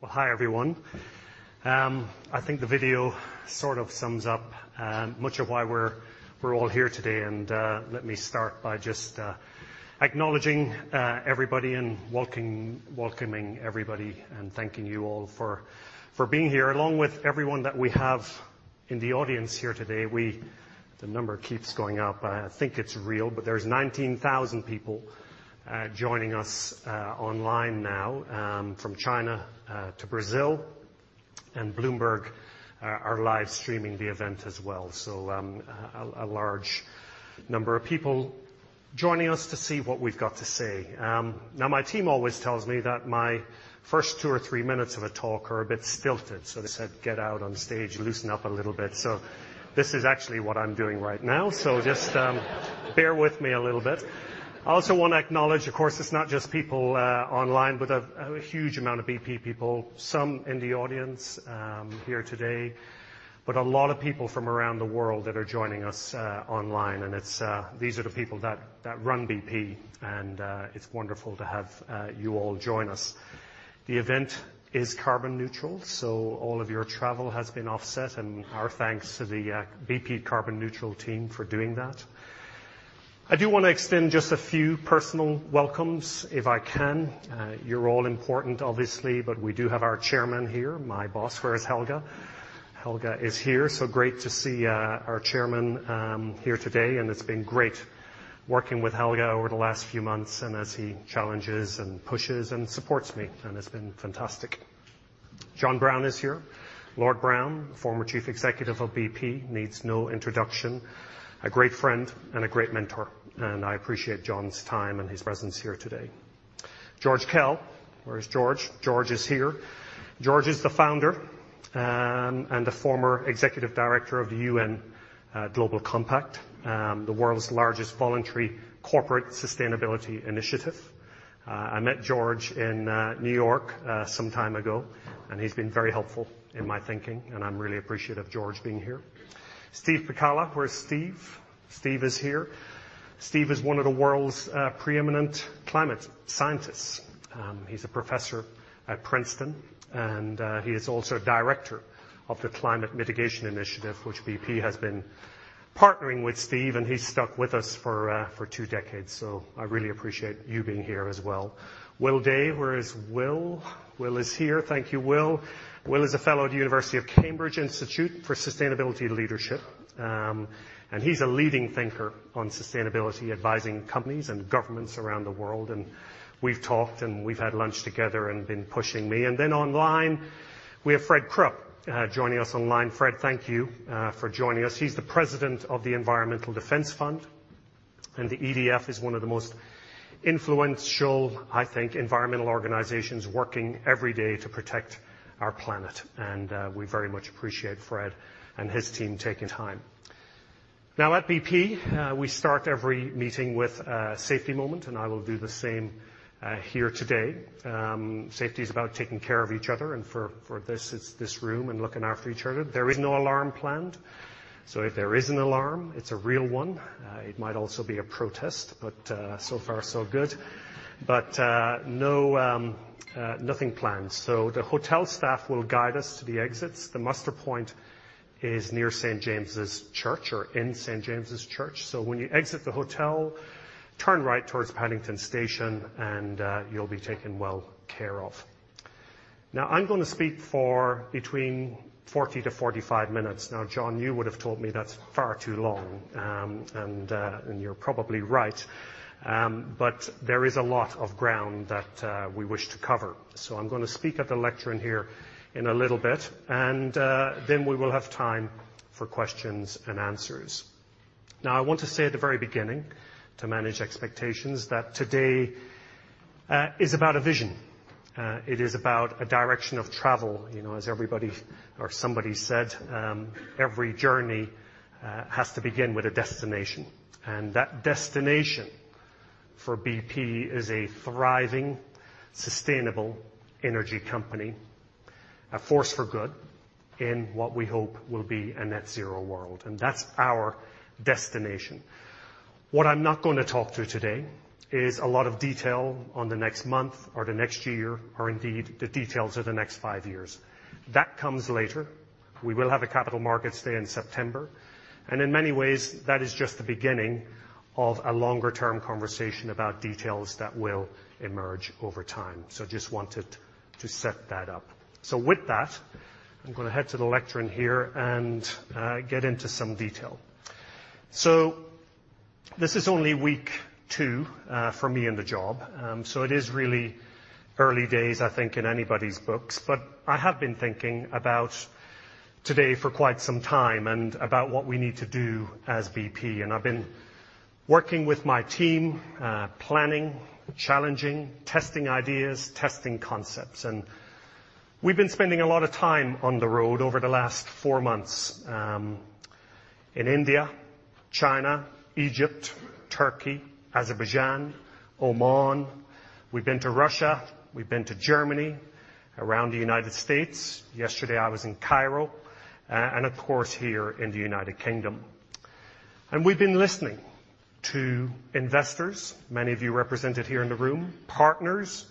Hi, everyone. I think the video sort of sums up much of why we're all here today. Let me start by just acknowledging everybody and welcoming everybody and thanking you all for being here, along with everyone that we have in the audience here today. The number keeps going up. I think it's real, but there's 19,000 people joining us online now from China to Brazil. Bloomberg are live streaming the event as well. A large number of people joining us to see what we've got to say. Now, my team always tells me that my first two or three minutes of a talk are a bit stilted. They said, "Get out on stage, loosen up a little bit." This is actually what I'm doing right now. Just bear with me a little bit. I also want to acknowledge, of course, it's not just people online, but a huge amount of BP people, some in the audience here today, but a lot of people from around the world that are joining us online. These are the people that run BP. It's wonderful to have you all join us. The event is carbon neutral. All of your travel has been offset. Our thanks to the BP Carbon Neutral team for doing that. I do want to extend just a few personal welcomes if I can. You're all important, obviously. We do have our chairman here, my boss. Where is Helge? Helge is here. Great to see our chairman here today. It's been great working with Helge over the last few months. As he challenges and pushes and supports me, it's been fantastic. John Browne is here. Lord Browne, former Chief Executive of BP, needs no introduction. A great friend and a great mentor, and I appreciate John's time and his presence here today. Georg Kell. Where is Georg? Georg is here. Georg is the founder and the former Executive Director of the UN Global Compact, the world's largest voluntary corporate sustainability initiative. I met Georg in New York some time ago, and he's been very helpful in my thinking, and I'm really appreciative of Georg being here. Steve Pacala. Where is Steve? Steve is here. Steve is one of the world's preeminent climate scientists. He's a Professor at Princeton, and he is also Director of the Carbon Mitigation Initiative, which BP has been partnering with Steve, and he's stuck with us for two decades. I really appreciate you being here as well. Will Day. Where is Will? Will is here. Thank you, Will. Will is a fellow at the University of Cambridge Institute for Sustainability Leadership, and he's a leading thinker on sustainability, advising companies and governments around the world. We've talked, and we've had lunch together and been pushing me. Then online, we have Fred Krupp joining us online. Fred, thank you for joining us. He's the President of the Environmental Defense Fund, and the EDF is one of the most influential, I think, environmental organizations working every day to protect our planet. We very much appreciate Fred and his team taking time. Now at BP, we start every meeting with a safety moment, and I will do the same here today. Safety is about taking care of each other and for this, it's this room and looking after each other. There is no alarm planned, so if there is an alarm, it's a real one. It might also be a protest, so far so good. Nothing planned. The hotel staff will guide us to the exits. The muster point is near St. James' Church or in St. James' Church. When you exit the hotel, turn right towards Paddington Station, and you'll be taken well care of. I'm going to speak for between 40 to 45 minutes. John, you would have told me that's far too long, and you're probably right. There is a lot of ground that we wish to cover. I'm going to speak at the lectern here in a little bit, and then we will have time for questions and answers. I want to say at the very beginning, to manage expectations, that today is about a vision. It is about a direction of travel. As everybody or somebody said, every journey has to begin with a destination. That destination for BP is a thriving, sustainable energy company, a force for good in what we hope will be a net zero world. That's our destination. What I'm not going to talk through today is a lot of detail on the next month or the next year or indeed the details of the next five years. That comes later. We will have a capital markets day in September, in many ways, that is just the beginning of a longer-term conversation about details that will emerge over time. Just wanted to set that up. With that, I'm going to head to the lectern here and get into some detail. This is only week two for me in the job. It is really early days, I think, in anybody's books. I have been thinking about today for quite some time and about what we need to do as BP. I've been working with my team, planning, challenging, testing ideas, testing concepts, we've been spending a lot of time on the road over the last four months in India, China, Egypt, Turkey, Azerbaijan, Oman. We've been to Russia. We've been to Germany, around the United States. Yesterday, I was in Cairo, and of course, here in the United Kingdom. We've been listening to investors, many of you represented here in the room, partners,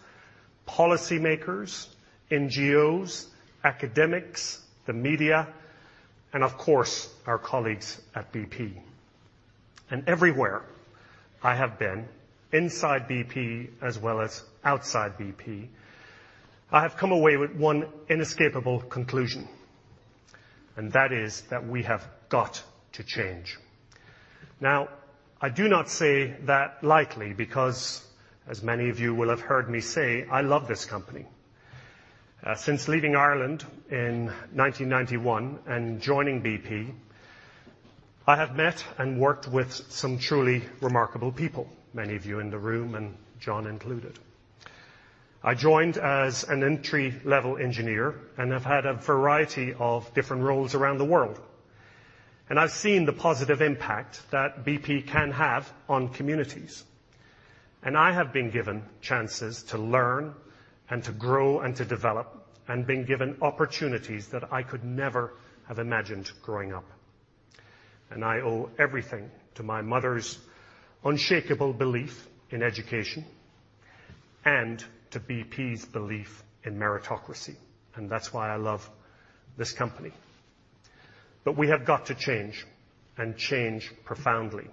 policymakers, NGOs, academics, the media, and of course, our colleagues at BP. Everywhere I have been, inside BP as well as outside BP, I have come away with one inescapable conclusion, that is that we have got to change. I do not say that lightly because, as many of you will have heard me say, I love this company. Since leaving Ireland in 1991 and joining BP, I have met and worked with some truly remarkable people, many of you in the room, and John included. I joined as an entry-level engineer and have had a variety of different roles around the world. I've seen the positive impact that BP can have on communities. I have been given chances to learn and to grow and to develop and been given opportunities that I could never have imagined growing up. I owe everything to my mother's unshakable belief in education and to BP's belief in meritocracy, and that's why I love this company. We have got to change and change profoundly.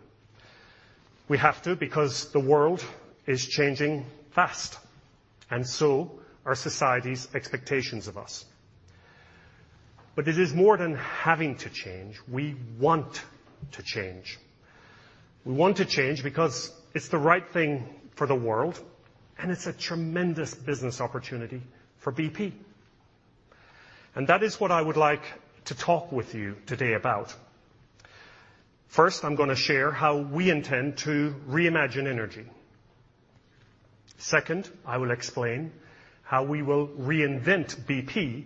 We have to because the world is changing fast and so are society's expectations of us. It is more than having to change. We want to change. We want to change because it's the right thing for the world, and it's a tremendous business opportunity for BP. That is what I would like to talk with you today about. First, I'm going to share how we intend to reimagine energy. Second, I will explain how we will reinvent BP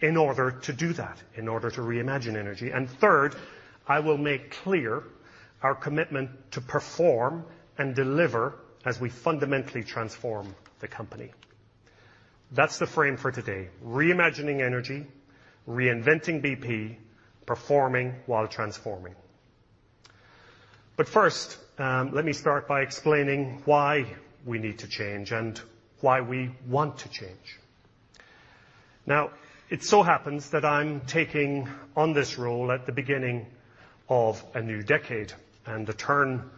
in order to do that, in order to reimagine energy. Third, I will make clear our commitment to perform and deliver as we fundamentally transform the company. That's the frame for today, reimagining energy, reinventing BP, performing while transforming. First, let me start by explaining why we need to change and why we want to change. It so happens that I'm taking on this role at the beginning of a new decade, and the turn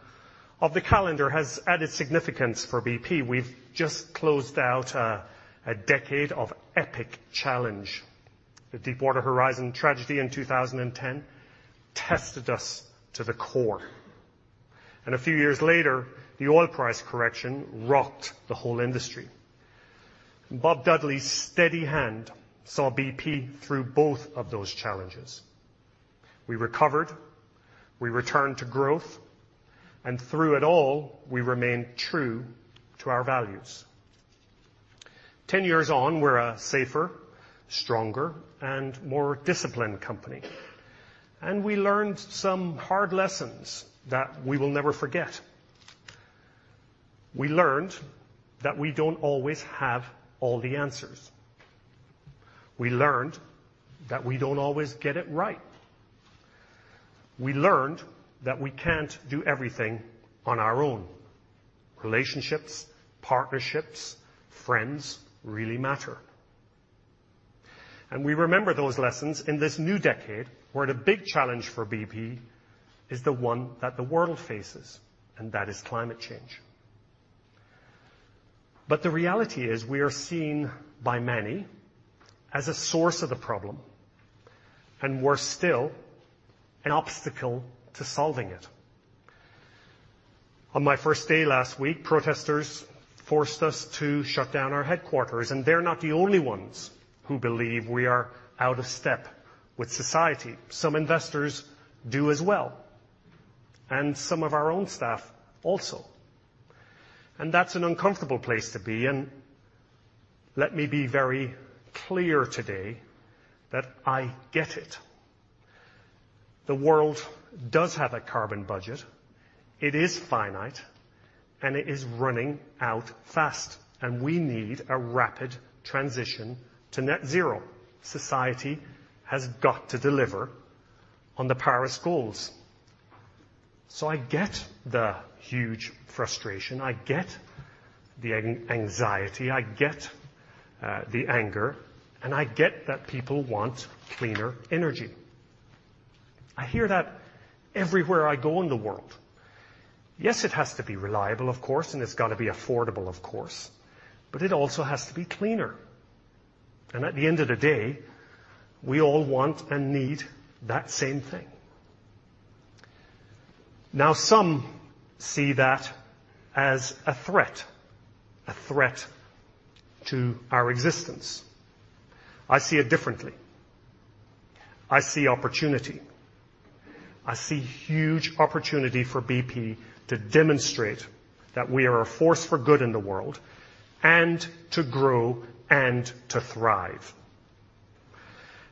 of the calendar has added significance for BP. We've just closed out a decade of epic challenge. The Deepwater Horizon tragedy in 2010 tested us to the core. A few years later, the oil price correction rocked the whole industry. Bob Dudley's steady hand saw BP through both of those challenges. We recovered, we returned to growth, and through it all, we remained true to our values. 10 years on, we're a safer, stronger, and more disciplined company. We learned some hard lessons that we will never forget. We learned that we don't always have all the answers. We learned that we don't always get it right. We learned that we can't do everything on our own. Relationships, partnerships, friends really matter. We remember those lessons in this new decade, where the big challenge for BP is the one that the world faces, and that is climate change. The reality is we are seen by many as a source of the problem and, worse still, an obstacle to solving it. On my first day last week, protesters forced us to shut down our headquarters, and they're not the only ones who believe we are out of step with society. Some investors do as well, and some of our own staff also. That's an uncomfortable place to be, and let me be very clear today that I get it. The world does have a carbon budget. It is finite, and it is running out fast, and we need a rapid transition to net zero. Society has got to deliver on the Paris goals. I get the huge frustration, I get the anxiety, I get the anger, and I get that people want cleaner energy. I hear that everywhere I go in the world. Yes, it has to be reliable, of course, and it's got to be affordable, of course. It also has to be cleaner. At the end of the day, we all want and need that same thing. Some see that as a threat, a threat to our existence. I see it differently. I see opportunity. I see huge opportunity for BP to demonstrate that we are a force for good in the world and to grow and to thrive.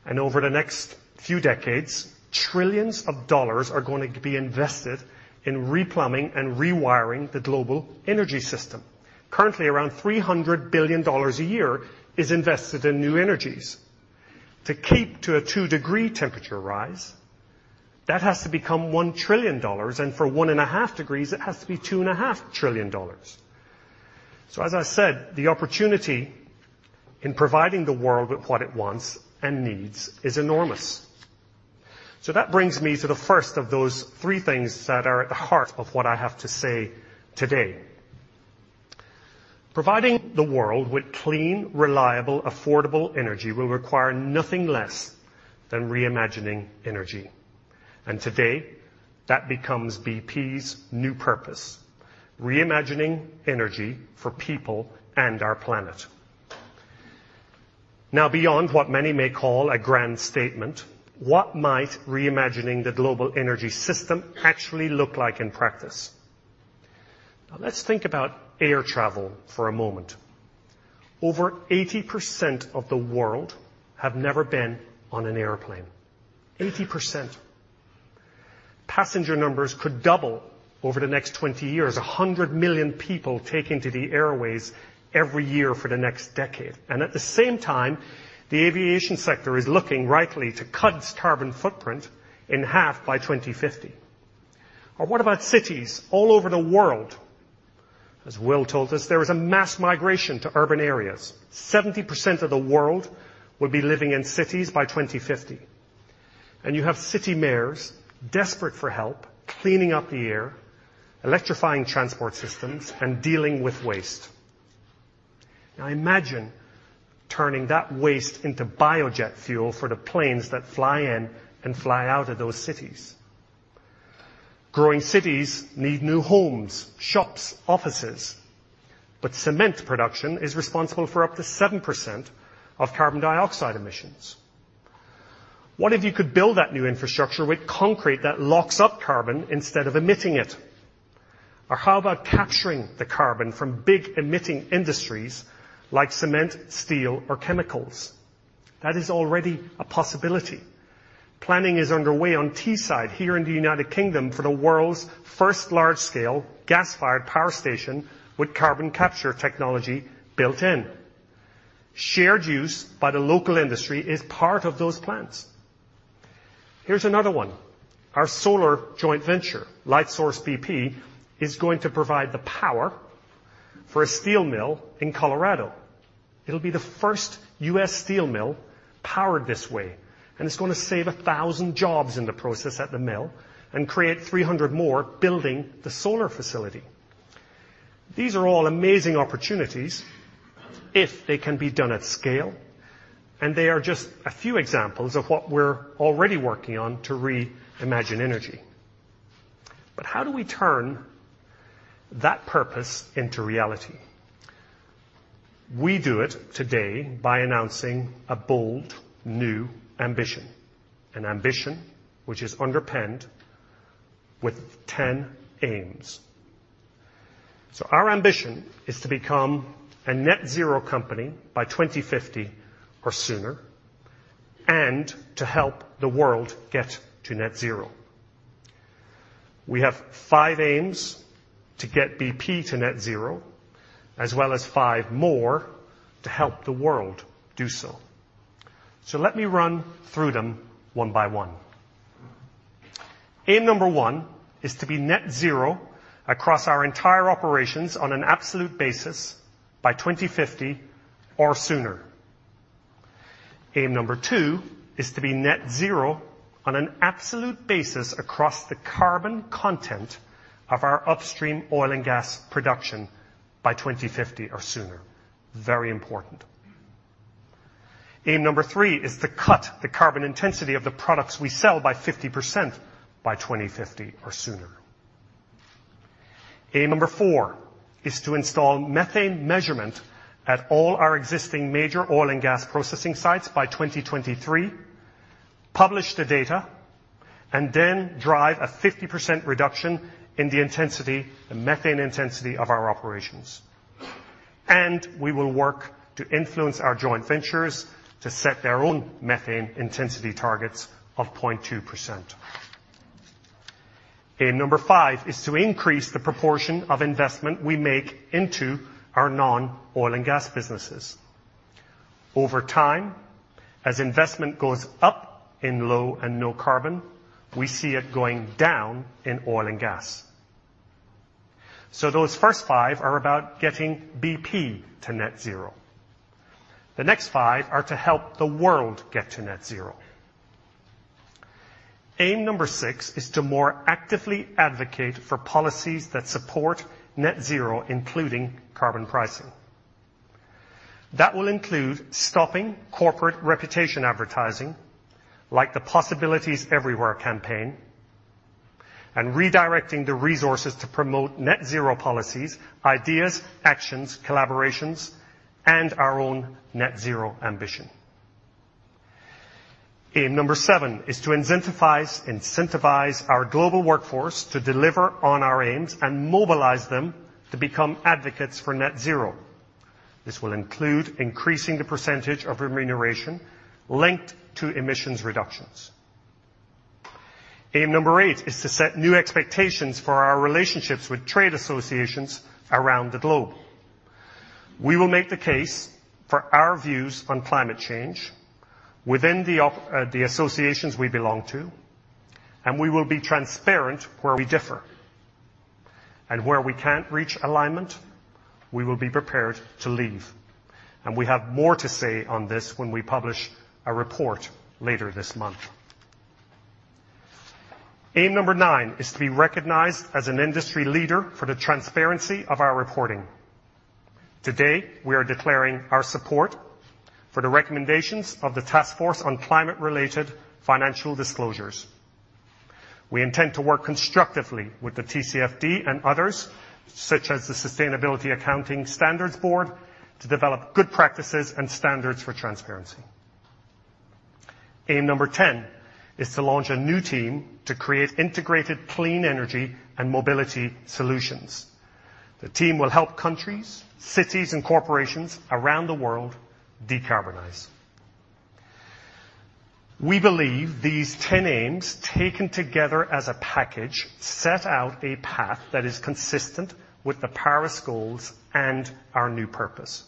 Over the next few decades, trillions of dollars are going to be invested in replumbing and rewiring the global energy system. Currently, around $300 billion a year is invested in new energies. To keep to a two-degree temperature rise, that has to become $1 trillion, and for one and a half degrees, it has to be $2.5 trillion. As I said, the opportunity in providing the world with what it wants and needs is enormous. That brings me to the first of those three things that are at the heart of what I have to say today. Providing the world with clean, reliable, affordable energy will require nothing less than reimagining energy. Today, that becomes BP's new purpose, reimagining energy for people and our planet. Beyond what many may call a grand statement, what might reimagining the global energy system actually look like in practice? Let's think about air travel for a moment. Over 80% of the world have never been on an airplane, 80%. Passenger numbers could double over the next 20 years. 100 million people taking to the airways every year for the next decade. At the same time, the aviation sector is looking rightly to cut its carbon footprint in half by 2050. What about cities all over the world? As Will told us, there is a mass migration to urban areas. 70% of the world will be living in cities by 2050. You have city mayors desperate for help, cleaning up the air, electrifying transport systems, and dealing with waste. Now, imagine turning that waste into biojet fuel for the planes that fly in and fly out of those cities. Growing cities need new homes, shops, offices, but cement production is responsible for up to 7% of carbon dioxide emissions. What if you could build that new infrastructure with concrete that locks up carbon instead of emitting it? How about capturing the carbon from big emitting industries like cement, steel, or chemicals? That is already a possibility. Planning is underway on Teesside here in the U.K. for the world's first large-scale gas-fired power station with carbon capture technology built in. Shared use by the local industry is part of those plans. Here's another one. Our solar joint venture, Lightsource bp, is going to provide the power for a steel mill in Colorado. It'll be the first U.S. steel mill powered this way, and it's going to save 1,000 jobs in the process at the mill and create 300 more building the solar facility. These are all amazing opportunities if they can be done at scale, and they are just a few examples of what we're already working on to reimagine energy. How do we turn that purpose into reality? We do it today by announcing a bold new ambition, an ambition which is underpinned with 10 aims. Our ambition is to become a net zero company by 2050 or sooner, and to help the world get to net zero. We have five aims to get BP to net zero, as well as five more to help the world do so. Let me run through them one by one. Aim number one is to be net zero across our entire operations on an absolute basis by 2050 or sooner. Aim number two is to be net zero on an absolute basis across the carbon content of our upstream oil and gas production by 2050 or sooner. Very important. Aim number three is to cut the carbon intensity of the products we sell by 50% by 2050 or sooner. Aim number four is to install methane measurement at all our existing major oil and gas processing sites by 2023, publish the data, then drive a 50% reduction in the methane intensity of our operations. We will work to influence our joint ventures to set their own methane intensity targets of 0.2%. Aim number five is to increase the proportion of investment we make into our non-oil and gas businesses. Over time, as investment goes up in low and no carbon, we see it going down in oil and gas. Those first five are about getting BP to net zero. The next five are to help the world get to net zero. Aim number six is to more actively advocate for policies that support net zero, including carbon pricing. That will include stopping corporate reputation advertising, like the Possibilities Everywhere campaign, and redirecting the resources to promote net zero policies, ideas, actions, collaborations, and our own net zero ambition. Aim number seven is to incentivize our global workforce to deliver on our aims and mobilize them to become advocates for net zero. This will include increasing the percentage of remuneration linked to emissions reductions. Aim number eight is to set new expectations for our relationships with trade associations around the globe. We will make the case for our views on climate change within the associations we belong to, and we will be transparent where we differ. Where we can't reach alignment, we will be prepared to leave. We have more to say on this when we publish a report later this month. Aim number nine is to be recognized as an industry leader for the transparency of our reporting. Today, we are declaring our support for the recommendations of the Task Force on Climate-related Financial Disclosures. We intend to work constructively with the TCFD and others, such as the Sustainability Accounting Standards Board, to develop good practices and standards for transparency. Aim number 10 is to launch a new team to create integrated clean energy and mobility solutions. The team will help countries, cities, and corporations around the world decarbonize. We believe these 10 aims, taken together as a package, set out a path that is consistent with the Paris goals and our new purpose.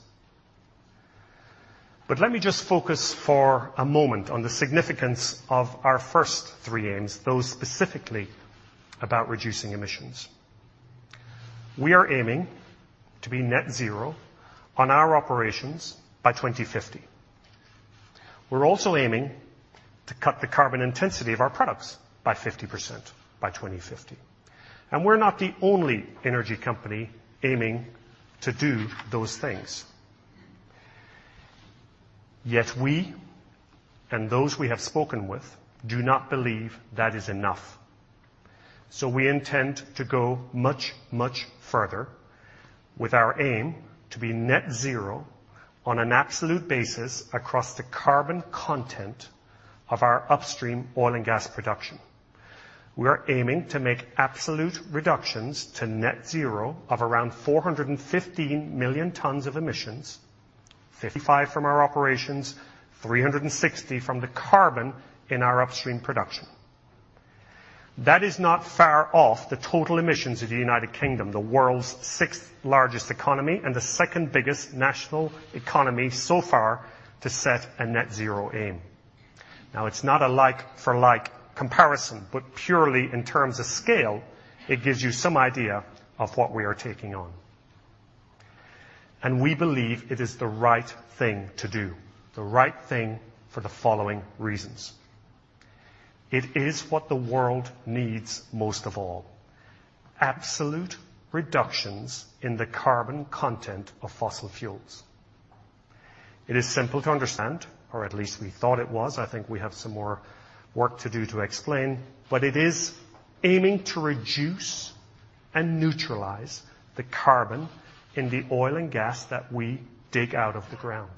Let me just focus for a moment on the significance of our first three aims, those specifically about reducing emissions. We are aiming to be net zero on our operations by 2050. We're also aiming to cut the carbon intensity of our products by 50% by 2050. We're not the only energy company aiming to do those things. We, and those we have spoken with, do not believe that is enough. We intend to go much, much further with our aim to be net zero on an absolute basis across the carbon content of our upstream oil and gas production. We are aiming to make absolute reductions to net zero of around 415 million tons of emissions, 55 from our operations, 360 from the carbon in our upstream production. That is not far off the total emissions of the United Kingdom, the world's sixth-largest economy and the second-biggest national economy so far to set a net zero aim. Now, it's not a like-for-like comparison, but purely in terms of scale, it gives you some idea of what we are taking on. We believe it is the right thing to do, the right thing for the following reasons. It is what the world needs most of all, absolute reductions in the carbon content of fossil fuels. It is simple to understand, or at least we thought it was. I think we have some more work to do to explain, but it is aiming to reduce and neutralize the carbon in the oil and gas that we dig out of the ground.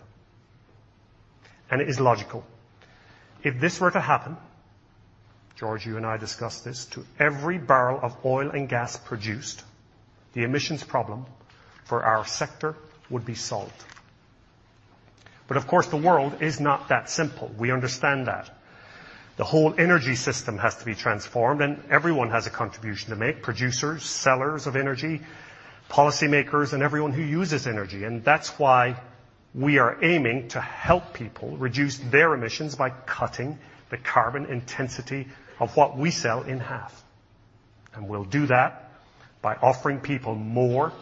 It is logical. If this were to happen, Georg, you and I discussed this, to every barrel of oil and gas produced, the emissions problem for our sector would be solved. Of course, the world is not that simple. We understand that. The whole energy system has to be transformed, and everyone has a contribution to make, producers, sellers of energy, policymakers, and everyone who uses energy. That's why we are aiming to help people reduce their emissions by cutting the carbon intensity of what we sell in half. We'll do that by offering people more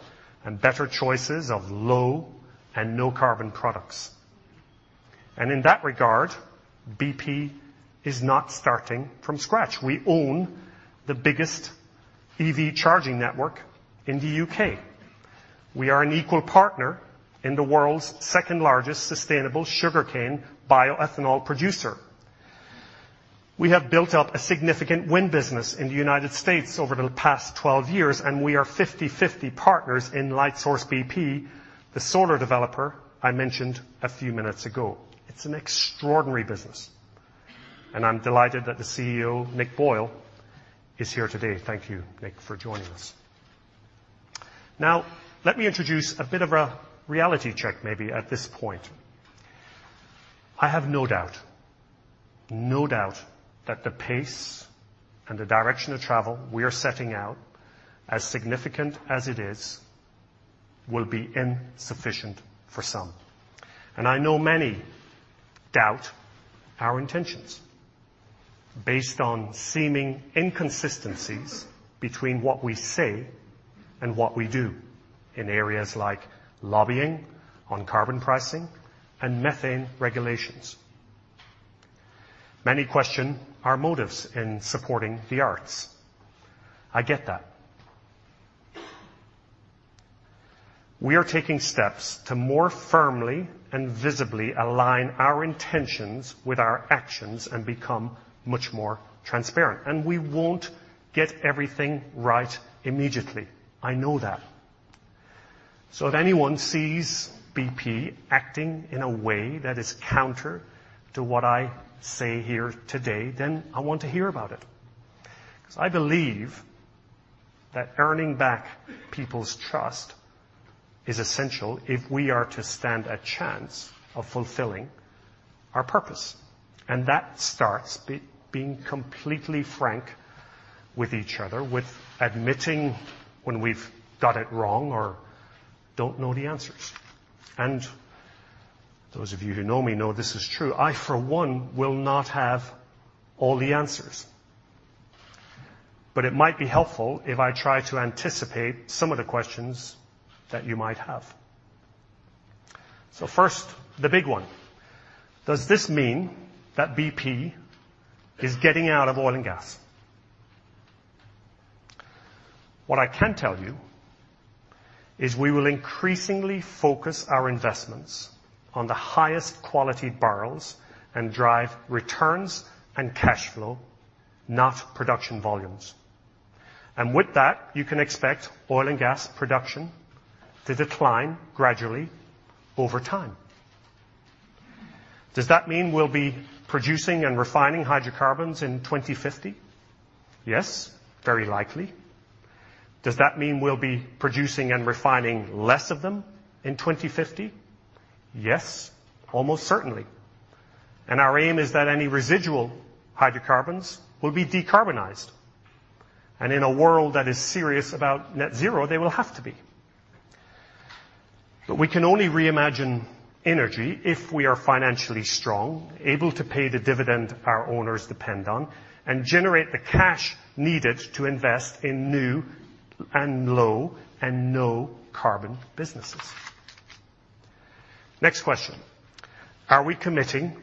and better choices of low and no-carbon products. In that regard, BP is not starting from scratch. We own the biggest EV charging network in the U.K. We are an equal partner in the world's second-largest sustainable sugarcane bioethanol producer. We have built up a significant wind business in the United States over the past 12 years, and we are 50/50 partners in Lightsource bp, the solar developer I mentioned a few minutes ago. It's an extraordinary business, and I'm delighted that the CEO, Nick Boyle, is here today. Thank you, Nick, for joining us. Let me introduce a bit of a reality check maybe at this point. I have no doubt that the pace and the direction of travel we are setting out, as significant as it is, will be insufficient for some. I know many doubt our intentions based on seeming inconsistencies between what we say and what we do in areas like lobbying on carbon pricing and methane regulations. Many question our motives in supporting the arts. I get that. We are taking steps to more firmly and visibly align our intentions with our actions and become much more transparent, we won't get everything right immediately. I know that. If anyone sees BP acting in a way that is counter to what I say here today, then I want to hear about it because I believe that earning back people's trust is essential if we are to stand a chance of fulfilling our purpose, and that starts being completely frank with each other, with admitting when we've got it wrong or don't know the answers. Those of you who know me know this is true, I for one will not have all the answers. It might be helpful if I try to anticipate some of the questions that you might have. First, the big one. Does this mean that BP is getting out of oil and gas? What I can tell you is we will increasingly focus our investments on the highest quality barrels and drive returns and cash flow, not production volumes. With that, you can expect oil and gas production to decline gradually over time. Does that mean we'll be producing and refining hydrocarbons in 2050? Yes, very likely. Does that mean we'll be producing and refining less of them in 2050? Yes, almost certainly. Our aim is that any residual hydrocarbons will be decarbonized, and in a world that is serious about net zero, they will have to be. We can only reimagine energy if we are financially strong, able to pay the dividend our owners depend on, and generate the cash needed to invest in new and low and no carbon businesses. Next question. Are we committing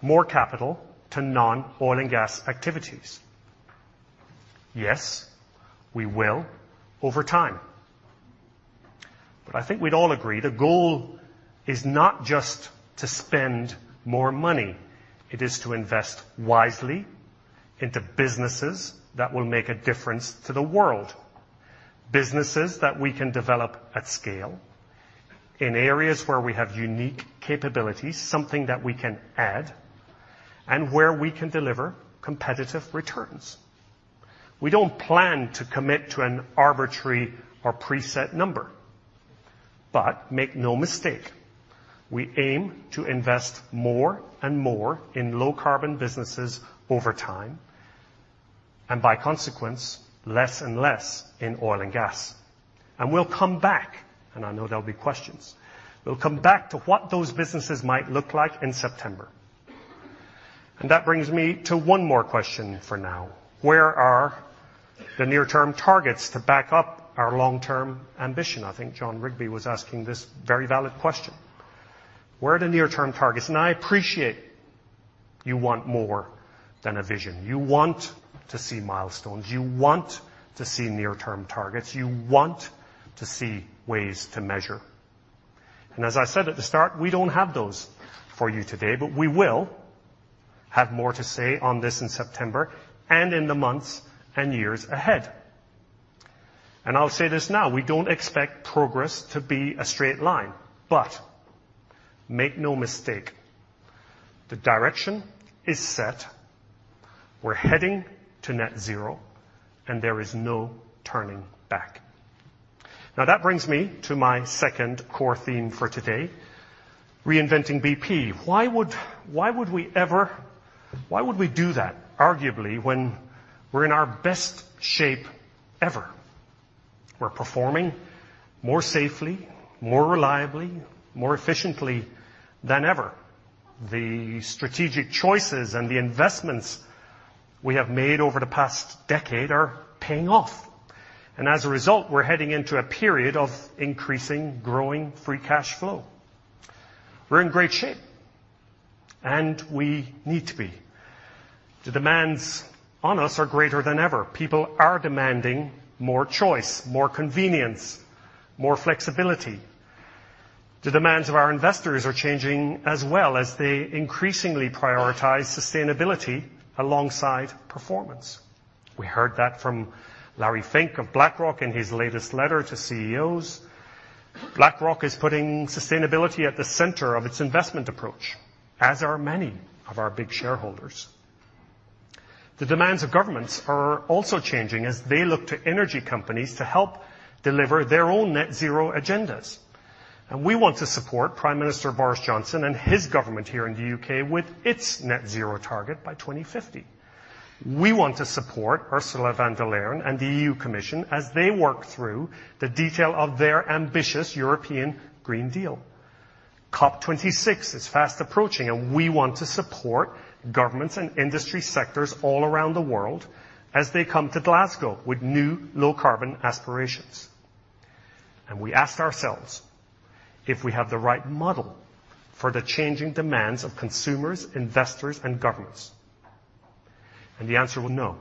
more capital to non-oil and gas activities? Yes, we will over time. I think we'd all agree the goal is not just to spend more money. It is to invest wisely into businesses that will make a difference to the world. Businesses that we can develop at scale in areas where we have unique capabilities, something that we can add, and where we can deliver competitive returns. We don't plan to commit to an arbitrary or preset number. Make no mistake, we aim to invest more and more in low carbon businesses over time, and by consequence, less and less in oil and gas. We'll come back, and I know there'll be questions. We'll come back to what those businesses might look like in September. That brings me to one more question for now. Where are the near-term targets to back up our long-term ambition? I think John Rigby was asking this very valid question. Where are the near-term targets? I appreciate you want more than a vision. You want to see milestones. You want to see near-term targets. You want to see ways to measure. As I said at the start, we don't have those for you today, but we will have more to say on this in September, and in the months and years ahead. I'll say this now, we don't expect progress to be a straight line, but make no mistake, the direction is set. We're heading to net zero, and there is no turning back. That brings me to my second core theme for today, reinventing BP. Why would we do that, arguably, when we're in our best shape ever? We're performing more safely, more reliably, more efficiently than ever. The strategic choices and the investments we have made over the past decade are paying off. As a result, we're heading into a period of increasing, growing free cash flow. We're in great shape, and we need to be. The demands on us are greater than ever. People are demanding more choice, more convenience, more flexibility. The demands of our investors are changing as well as they increasingly prioritize sustainability alongside performance. We heard that from Larry Fink of BlackRock in his latest letter to CEOs. BlackRock is putting sustainability at the center of its investment approach, as are many of our big shareholders. The demands of governments are also changing as they look to energy companies to help deliver their own net zero agendas. We want to support Prime Minister Boris Johnson and his government here in the U.K. with its net zero target by 2050. We want to support Ursula von der Leyen and the EU Commission as they work through the detail of their ambitious European Green Deal. COP26 is fast approaching. We want to support governments and industry sectors all around the world as they come to Glasgow with new low carbon aspirations. We asked ourselves if we have the right model for the changing demands of consumers, investors, and governments. The answer was no.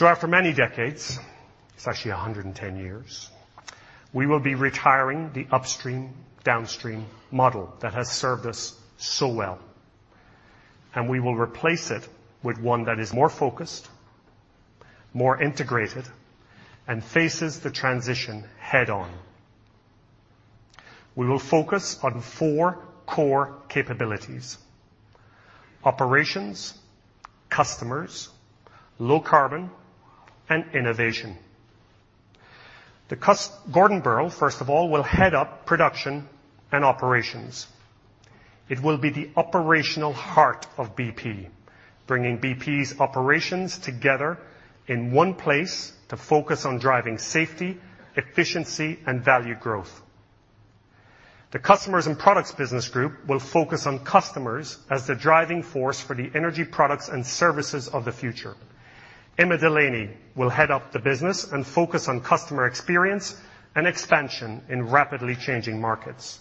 After many decades, it's actually 110 years, we will be retiring the upstream-downstream model that has served us so well. We will replace it with one that is more focused, more integrated, and faces the transition head on. We will focus on four core capabilities: operations, customers, low carbon, and innovation. Gordon Birrell, first of all, will head up production and operations. It will be the operational heart of BP, bringing BP's operations together in one place to focus on driving safety, efficiency, and value growth. The Customers & Products business group will focus on customers as the driving force for the energy products and services of the future. Emma Delaney will head up the business and focus on customer experience and expansion in rapidly changing markets.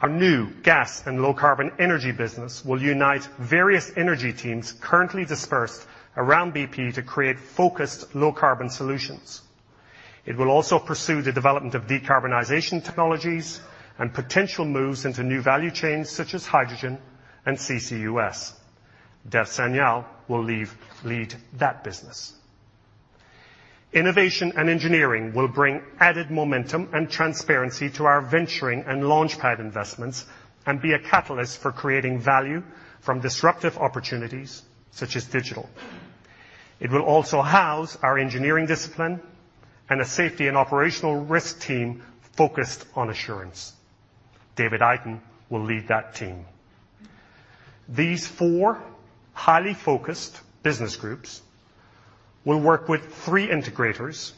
Our new Gas & Low Carbon Energy business will unite various energy teams currently dispersed around BP to create focused low-carbon solutions. It will also pursue the development of decarbonization technologies and potential moves into new value chains such as hydrogen and CCUS. Dev Sanyal will lead that business. Innovation and Engineering will bring added momentum and transparency to our venturing and launchpad investments and be a catalyst for creating value from disruptive opportunities such as digital. It will also house our engineering discipline and a safety and operational risk team focused on assurance. David Eyton will lead that team. These four highly focused business groups will work with three integrators,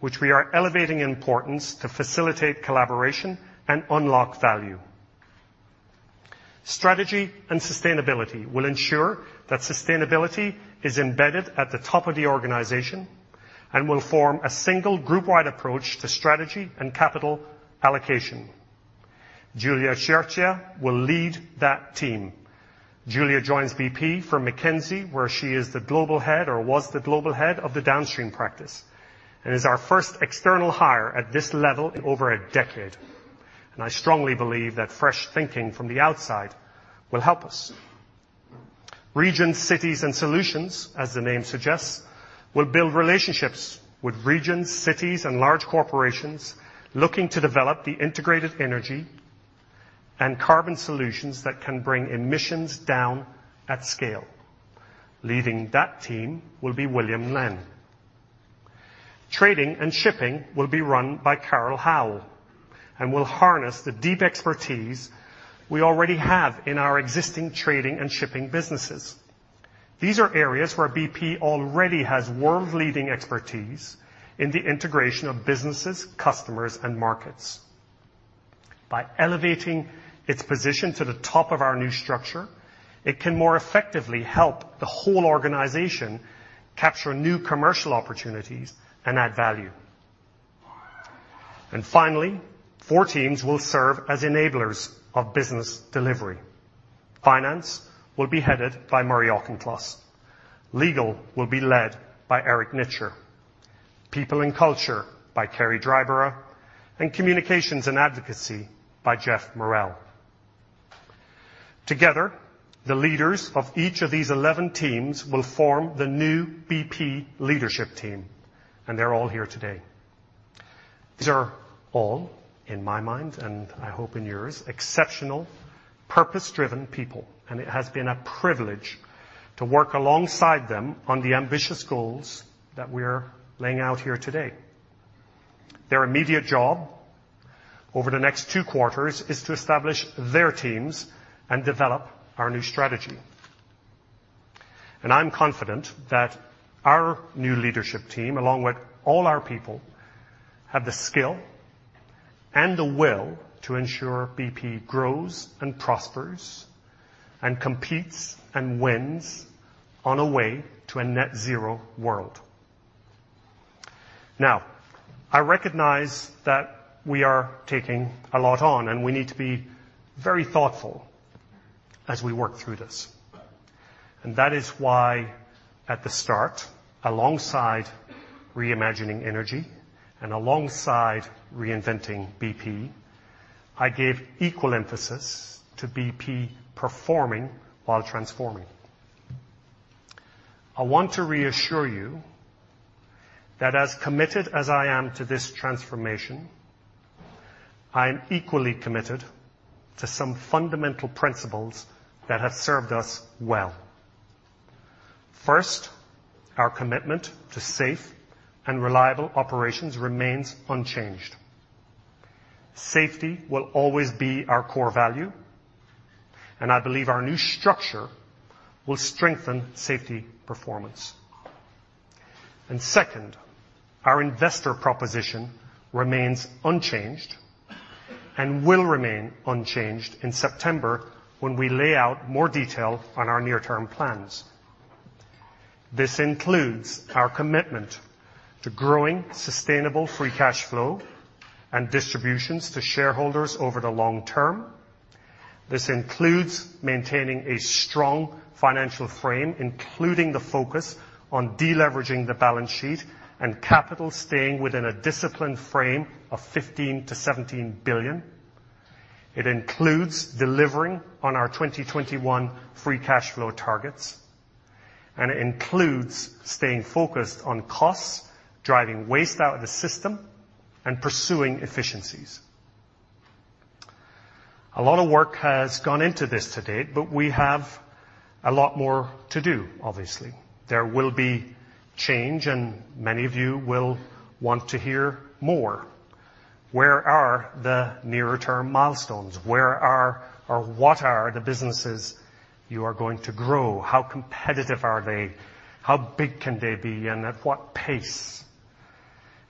which we are elevating in importance to facilitate collaboration and unlock value. Strategy and sustainability will ensure that sustainability is embedded at the top of the organization and will form a single groupwide approach to strategy and capital allocation. Giulia Chierchia will lead that team. Giulia joins BP from McKinsey, where she is the global head, or was the global head of the downstream practice and is our first external hire at this level in over a decade. I strongly believe that fresh thinking from the outside will help us. Regions, cities, and solutions, as the name suggests, will build relationships with regions, cities, and large corporations looking to develop the integrated energy and carbon solutions that can bring emissions down at scale. Leading that team will be William Lin. Trading and shipping will be run by Carol Howle and will harness the deep expertise we already have in our existing trading and shipping businesses. These are areas where BP already has world-leading expertise in the integration of businesses, customers, and markets. By elevating its position to the top of our new structure, it can more effectively help the whole organization capture new commercial opportunities and add value. Finally, four teams will serve as enablers of business delivery. Finance will be headed by Murray Auchincloss. Legal will be led by Eric Nitcher, People and Culture by Kerry Dryburgh, and Communications and Advocacy by Geoff Morrell. Together, the leaders of each of these 11 teams will form the new BP leadership team, and they're all here today. These are all, in my mind, and I hope in yours, exceptional, purpose-driven people. It has been a privilege to work alongside them on the ambitious goals that we're laying out here today. Their immediate job over the next two quarters is to establish their teams and develop our new strategy. I'm confident that our new leadership team, along with all our people, have the skill and the will to ensure BP grows and prospers and competes and wins on a way to a net zero world. I recognize that we are taking a lot on, and we need to be very thoughtful as we work through this. That is why at the start, alongside reimagining energy and alongside reinventing BP, I gave equal emphasis to BP performing while transforming. I want to reassure you that as committed as I am to this transformation, I am equally committed to some fundamental principles that have served us well. First, our commitment to safe and reliable operations remains unchanged. Safety will always be our core value, and I believe our new structure will strengthen safety performance. Second, our investor proposition remains unchanged and will remain unchanged in September when we lay out more detail on our near-term plans. This includes our commitment to growing sustainable free cash flow and distributions to shareholders over the long term. This includes maintaining a strong financial frame, including the focus on deleveraging the balance sheet and capital staying within a disciplined frame of $15 billion-$17 billion. It includes delivering on our 2021 free cash flow targets, and it includes staying focused on costs, driving waste out of the system, and pursuing efficiencies. A lot of work has gone into this to date, but we have a lot more to do, obviously. There will be change, and many of you will want to hear more. Where are the nearer term milestones? What are the businesses you are going to grow? How competitive are they? How big can they be, and at what pace?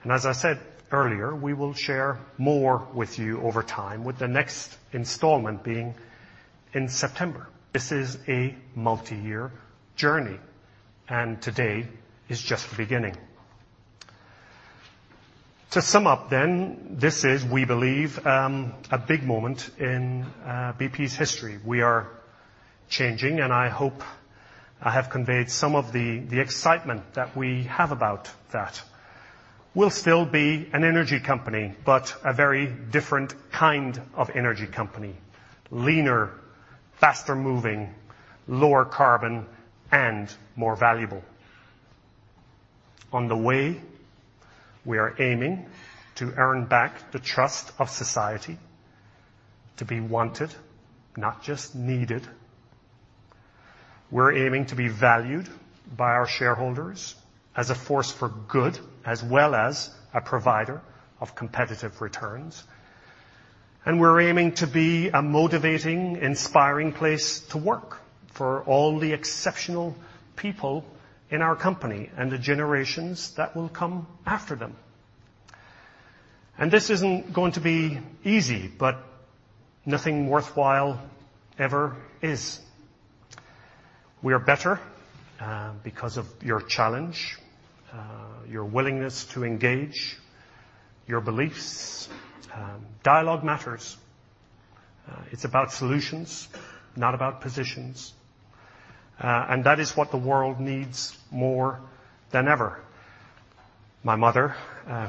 As I said earlier, we will share more with you over time, with the next installment being in September. This is a multi-year journey, and today is just the beginning. To sum up, this is, we believe, a big moment in BP's history. We are changing, and I hope I have conveyed some of the excitement that we have about that. We'll still be an energy company, but a very different kind of energy company, leaner, faster moving, lower carbon, and more valuable. On the way, we are aiming to earn back the trust of society to be wanted, not just needed. We're aiming to be valued by our shareholders as a force for good, as well as a provider of competitive returns. We're aiming to be a motivating, inspiring place to work for all the exceptional people in our company and the generations that will come after them. This isn't going to be easy, but nothing worthwhile ever is. We are better because of your challenge, your willingness to engage, your beliefs. Dialogue matters. It's about solutions, not about positions. That is what the world needs more than ever. My mother,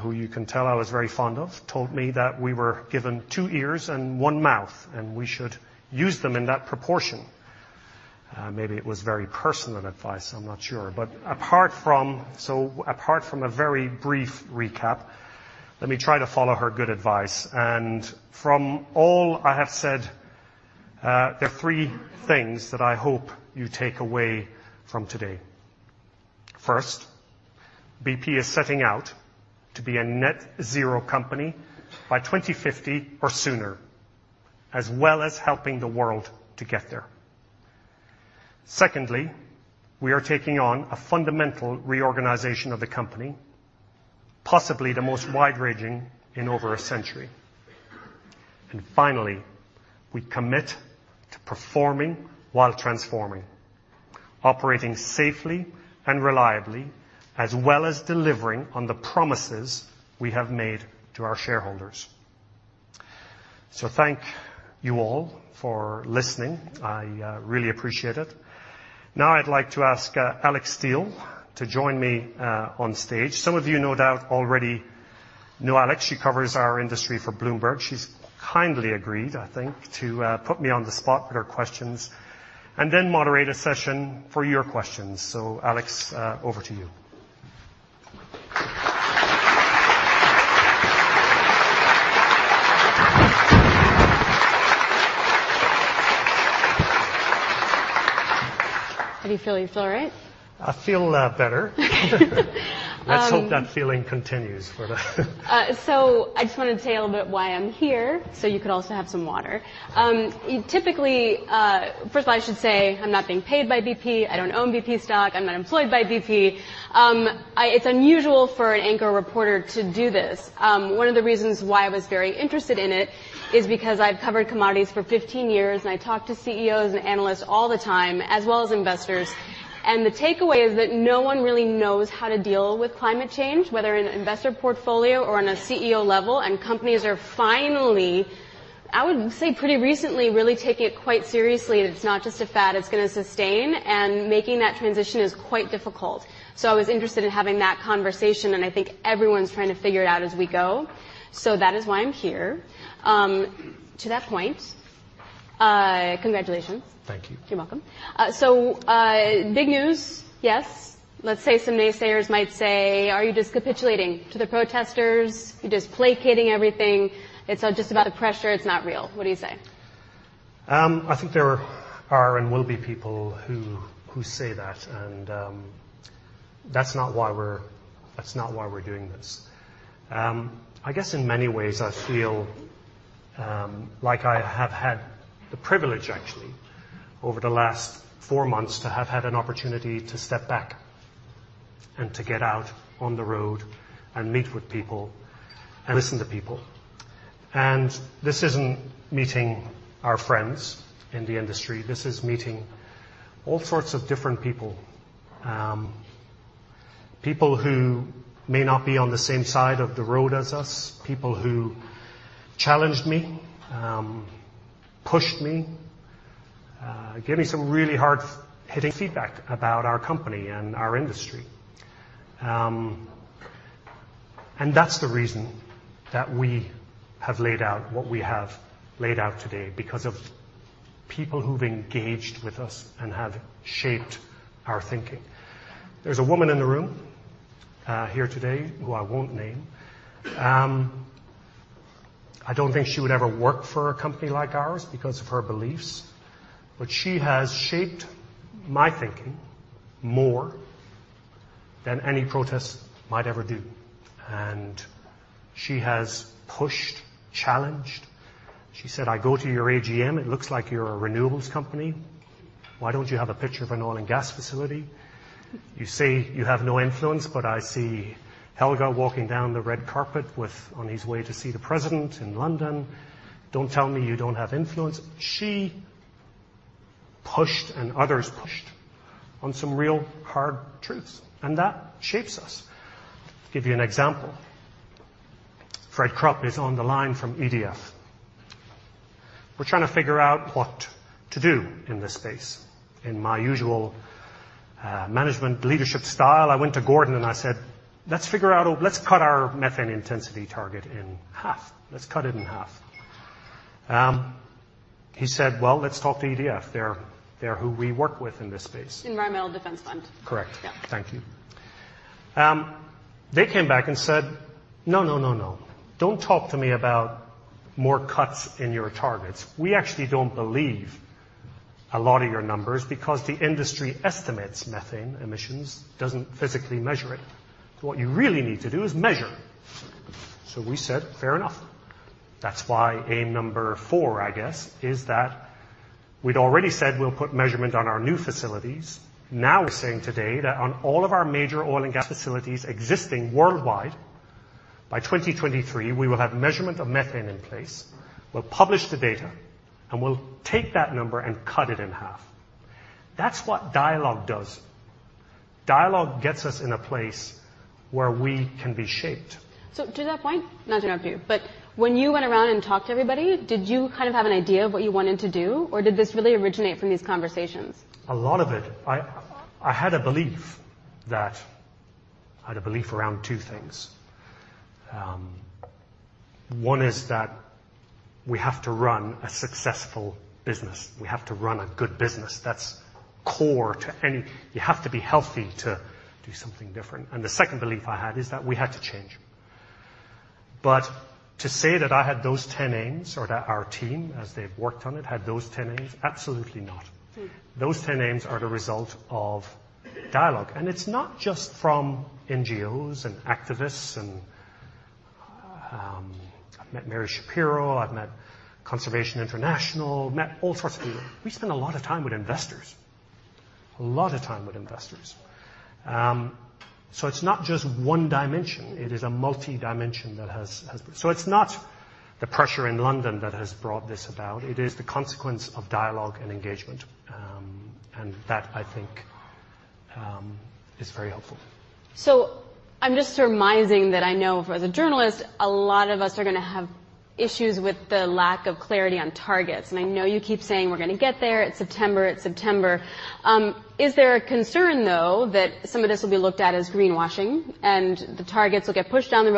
who you can tell I was very fond of, told me that we were given two ears and one mouth, and we should use them in that proportion. Maybe it was very personal advice, I'm not sure. Apart from a very brief recap, let me try to follow her good advice. From all I have said, there are three things that I hope you take away from today. First, BP is setting out to be a net zero company by 2050 or sooner, as well as helping the world to get there. Secondly, we are taking on a fundamental reorganization of the company, possibly the most wide-ranging in over a century. Finally, we commit to performing while transforming, operating safely and reliably as well as delivering on the promises we have made to our shareholders. Thank you all for listening. I really appreciate it. Now I'd like to ask Alix Steel to join me on stage. Some of you no doubt already know Alix. She covers our industry for Bloomberg. She's kindly agreed, I think, to put me on the spot with her questions and then moderate a session for your questions. Alix, over to you. How do you feel? You feel all right? I feel better. Let's hope that feeling continues for the I just wanted to say a little bit why I'm here, so you could also have some water. Typically, first of all, I should say I'm not being paid by BP. I don't own BP stock. I'm not employed by BP. It's unusual for an anchor reporter to do this. One of the reasons why I was very interested in it is because I've covered commodities for 15 years, and I talk to CEOs and analysts all the time, as well as investors, and the takeaway is that no one really knows how to deal with climate change, whether in an investor portfolio or on a CEO level, and companies are finally, I would say, pretty recently, really taking it quite seriously that it's not just a fad, it's going to sustain, and making that transition is quite difficult. I was interested in having that conversation, and I think everyone's trying to figure it out as we go. That is why I'm here. To that point, congratulations. Thank you. You're welcome. Big news, yes. Let's say some naysayers might say, are you just capitulating to the protesters? You're just placating everything. It's all just about the pressure. It's not real. What do you say? I think there are and will be people who say that. That's not why we're doing this. I guess in many ways, I feel like I have had the privilege, actually, over the last four months to have had an opportunity to step back and to get out on the road and meet with people and listen to people. This isn't meeting our friends in the industry. This is meeting all sorts of different people. People who may not be on the same side of the road as us, people who challenged me, pushed me, gave me some really hard-hitting feedback about our company and our industry. That's the reason that we have laid out what we have laid out today, because of people who've engaged with us and have shaped our thinking. There's a woman in the room here today who I won't name. I don't think she would ever work for a company like ours because of her beliefs, but she has shaped my thinking more than any protest might ever do. She has pushed, challenged. She said, "I go to your AGM, it looks like you're a renewables company. Why don't you have a picture of an oil and gas facility? You say you have no influence, but I see Helge walking down the red carpet on his way to see the president in London. Don't tell me you don't have influence." She pushed, others pushed on some real hard truths, and that shapes us. Give you an example. Fred Krupp is on the line from EDF. We're trying to figure out what to do in this space. In my usual management leadership style, I went to Gordon and I said, "Let's cut our methane intensity target in half. Let's cut it in half." He said, "Well, let's talk to EDF. They're who we work with in this space. Environmental Defense Fund. Correct. Yeah. Thank you. They came back and said, "No, don't talk to me about more cuts in your targets. We actually don't believe a lot of your numbers because the industry estimates methane emissions, doesn't physically measure it. So what you really need to do is measure." We said, "Fair enough." That's why aim number four, I guess, is that we'd already said we'll put measurement on our new facilities. Now we're saying today that on all of our major oil and gas facilities existing worldwide, by 2023, we will have measurement of methane in place. We'll publish the data, and we'll take that number and cut it in half. That's what dialogue does. Dialogue gets us in a place where we can be shaped. To that point, not to interrupt you, but when you went around and talked to everybody, did you kind of have an idea of what you wanted to do, or did this really originate from these conversations? A lot of it. I had a belief around two things. One is that we have to run a successful business. We have to run a good business. You have to be healthy to do something different. The second belief I had is that we had to change. To say that I had those 10 aims, or that our team, as they've worked on it, had those 10 aims, absolutely not. Those 10 aims are the result of dialogue. It's not just from NGOs and activists. I've met Mary Schapiro, I've met Conservation International, met all sorts of people. We spend a lot of time with investors. It's not just one dimension. It is a multi-dimension. It's not the pressure in London that has brought this about. It is the consequence of dialogue and engagement. That, I think, is very helpful. I'm just surmising that I know, as a journalist, a lot of us are going to have issues with the lack of clarity on targets, and I know you keep saying, "We're going to get there. It's September." Is there a concern, though, that some of this will be looked at as greenwashing and the targets will get pushed down the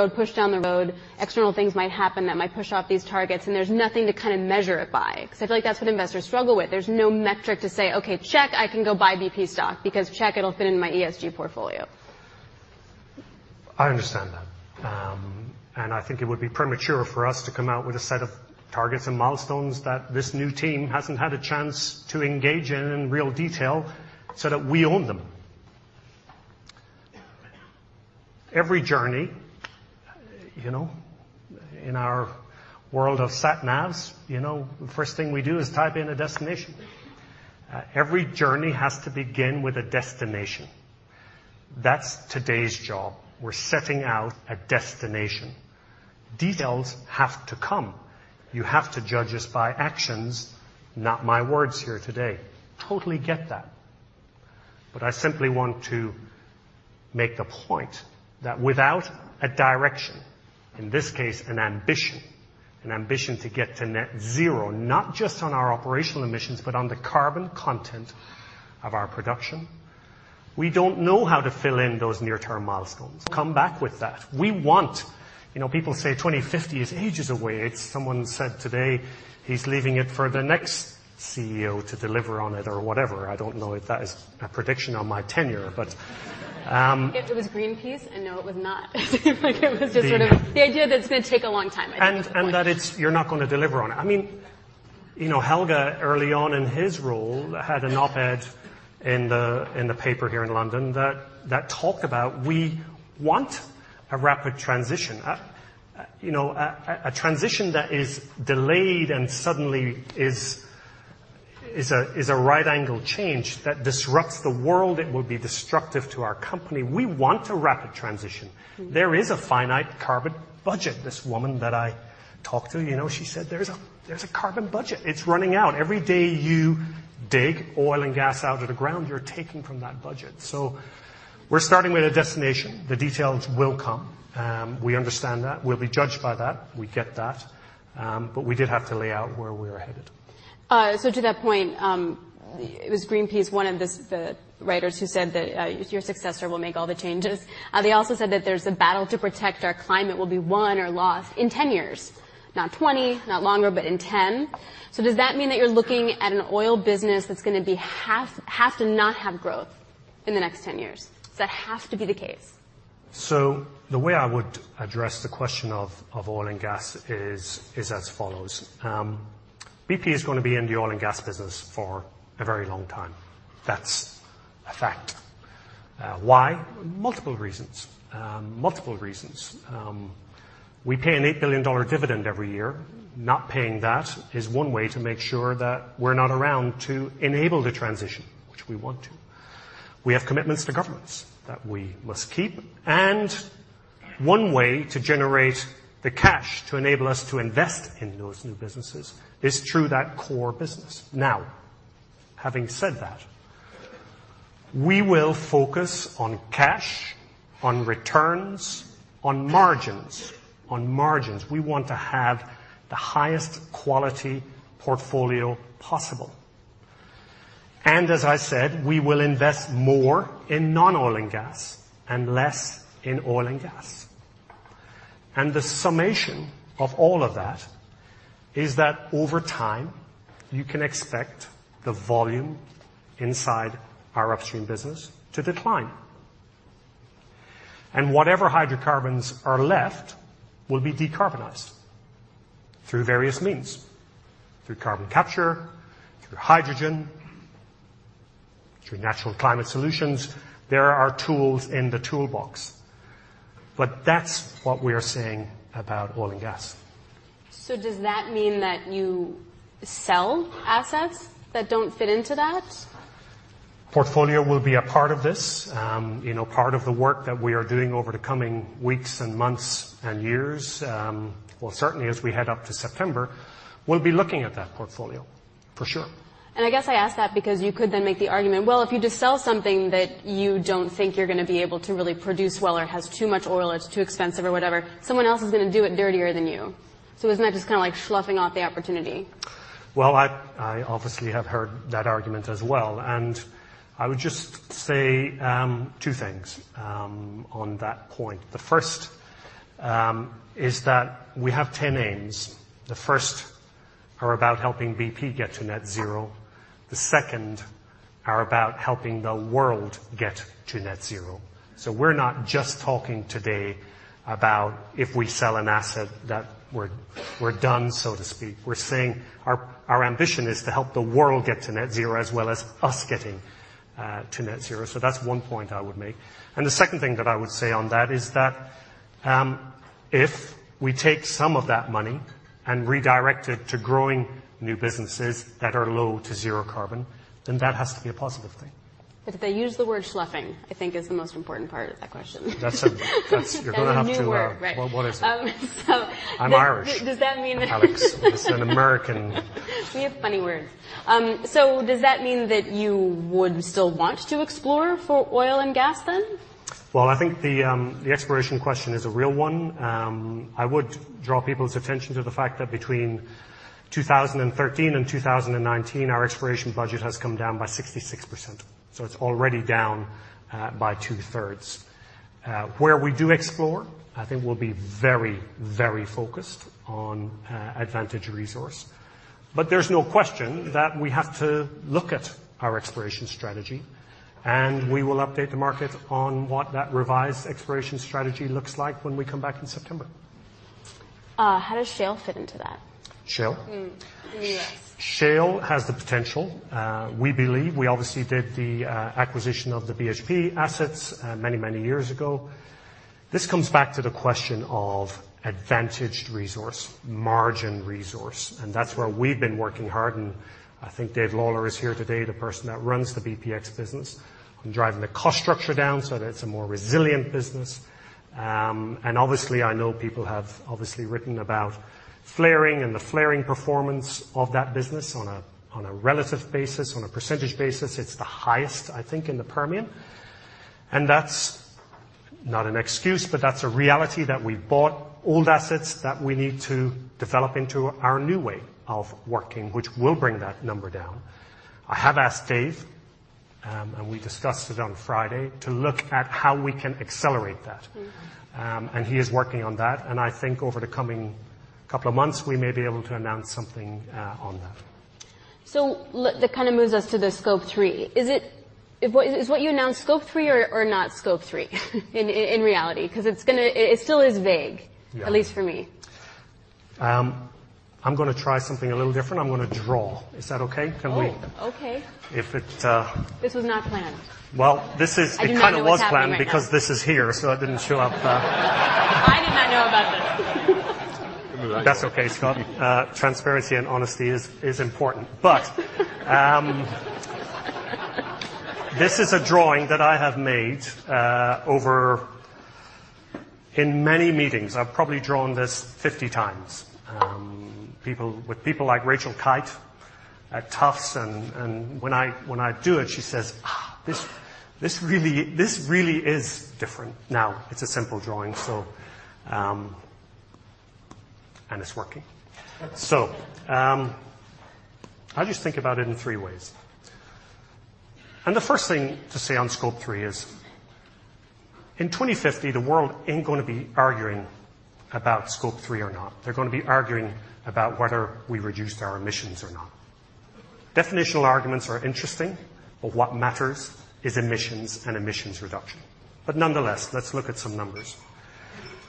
road? External things might happen that might push out these targets and there's nothing to kind of measure it by. I feel like that's what investors struggle with. There's no metric to say, "Okay, check. I can go buy BP stock because check, it'll fit into my ESG portfolio. I understand that. I think it would be premature for us to come out with a set of targets and milestones that this new team hasn't had a chance to engage in real detail, so that we own them. Every journey, in our world of sat navs, the first thing we do is type in a destination. Every journey has to begin with a destination. That's today's job. We're setting out a destination. Details have to come. You have to judge us by actions, not my words here today. Totally get that. I simply want to make the point that without a direction, in this case, an ambition to get to net zero, not just on our operational emissions, but on the carbon content of our production. We don't know how to fill in those near-term milestones. Come back with that. People say 2050 is ages away. Someone said today he's leaving it for the next CEO to deliver on it or whatever. I don't know if that is a prediction on my tenure. It was Greenpeace, and no, it was not. It was just sort of the idea that it's going to take a long time, I think is the point. That you're not going to deliver on it. Helge, early on in his role, had an op-ed in the paper here in London that talked about we want a rapid transition. A transition that is delayed and suddenly is a right angle change that disrupts the world, it will be destructive to our company. We want a rapid transition. There is a finite carbon budget. This woman that I talked to, she said, "There's a carbon budget. It's running out." Every day you dig oil and gas out of the ground, you're taking from that budget. We're starting with a destination. The details will come. We understand that. We'll be judged by that. We get that. We did have to lay out where we are headed. To that point, it was Greenpeace, one of the writers who said that your successor will make all the changes. They also said that, "There's a battle to protect our climate will be won or lost in 10 years," not 20, not longer, but in 10. Does that mean that you're looking at an oil business that's going to have to not have growth in the next 10 years? Does that have to be the case? The way I would address the question of oil and gas is as follows. BP is going to be in the oil and gas business for a very long time. That's a fact. Why? Multiple reasons. Multiple reasons. We pay an $8 billion dividend every year. Not paying that is one way to make sure that we're not around to enable the transition, which we want to. We have commitments to governments that we must keep, and one way to generate the cash to enable us to invest in those new businesses is through that core business. Having said that, we will focus on cash, on returns, on margins. On margins. We want to have the highest quality portfolio possible. As I said, we will invest more in non-oil and gas and less in oil and gas. The summation of all of that is that over time, you can expect the volume inside our upstream business to decline. Whatever hydrocarbons are left will be decarbonized through various means, through carbon capture, through hydrogen, through natural climate solutions. There are tools in the toolbox. That's what we are saying about oil and gas. Does that mean that you sell assets that don't fit into that? Portfolio will be a part of this. Part of the work that we are doing over the coming weeks and months and years. Well, certainly as we head up to September, we will be looking at that portfolio, for sure. I guess I ask that because you could then make the argument, well, if you just sell something that you don't think you're going to be able to really produce well or it has too much oil, it's too expensive or whatever, someone else is going to do it dirtier than you. Isn't that just kind of sloughing off the opportunity? Well, I obviously have heard that argument as well. I would just say two things on that point. The first is that we have 10 aims. The first are about helping BP get to net zero. The second are about helping the world get to net zero. We're not just talking today about if we sell an asset that we're done, so to speak. We're saying our ambition is to help the world get to net zero, as well as us getting to net zero. That's one point I would make. The second thing that I would say on that is that if we take some of that money and redirect it to growing new businesses that are low to zero carbon, that has to be a positive thing. They use the word sloughing, I think is the most important part of that question. You're going to have to. That's a new word, right. Well, what is it? So- I'm Irish. Does that mean that? Alix. This is an American You have funny words. Does that mean that you would still want to explore for oil and gas, then? I think the exploration question is a real one. I would draw people's attention to the fact that between 2013 and 2019, our exploration budget has come down by 66%. It's already down by two-thirds. Where we do explore, I think we'll be very focused on advantaged resource. There's no question that we have to look at our exploration strategy, and we will update the market on what that revised exploration strategy looks like when we come back in September. How does Shale fit into that? Shale? Yes. Shale has the potential. We believe, we obviously did the acquisition of the BHP assets many years ago. This comes back to the question of advantaged resource, margin resource, and that's where we've been working hard, and I think Dave Lawler is here today, the person that runs the bpx energy on driving the cost structure down so that it's a more resilient business. Obviously, I know people have obviously written about flaring and the flaring performance of that business on a relative basis, on a percentage basis. It's the highest, I think, in the Permian. That's not an excuse, but that's a reality that we bought old assets that we need to develop into our new way of working, which will bring that number down. I have asked Dave, and we discussed it on Friday, to look at how we can accelerate that. He is working on that, and I think over the coming couple of months, we may be able to announce something on that. That kind of moves us to the Scope 3. Is what you announced Scope 3 or not Scope 3 in reality? It still is vague. Yeah At least for me. I'm going to try something a little different. I'm going to draw. Is that okay? Oh, okay. If it- This was not planned. Well. I did not know this was happening right now. It kind of was planned because this is here, so it didn't show up. I did not know about this. That's okay, Scott. Transparency and honesty is important. This is a drawing that I have made over, in many meetings. I've probably drawn this 50x. With people like Rachel Kyte at Tufts, and when I do it, she says, "This really is different." Now, it's a simple drawing, so it's working. I just think about it in three ways. The first thing to say on Scope 3 is, in 2050, the world ain't going to be arguing about Scope 3 or not. They're going to be arguing about whether we reduced our emissions or not. Definitional arguments are interesting, but what matters is emissions and emissions reduction. Nonetheless, let's look at some numbers.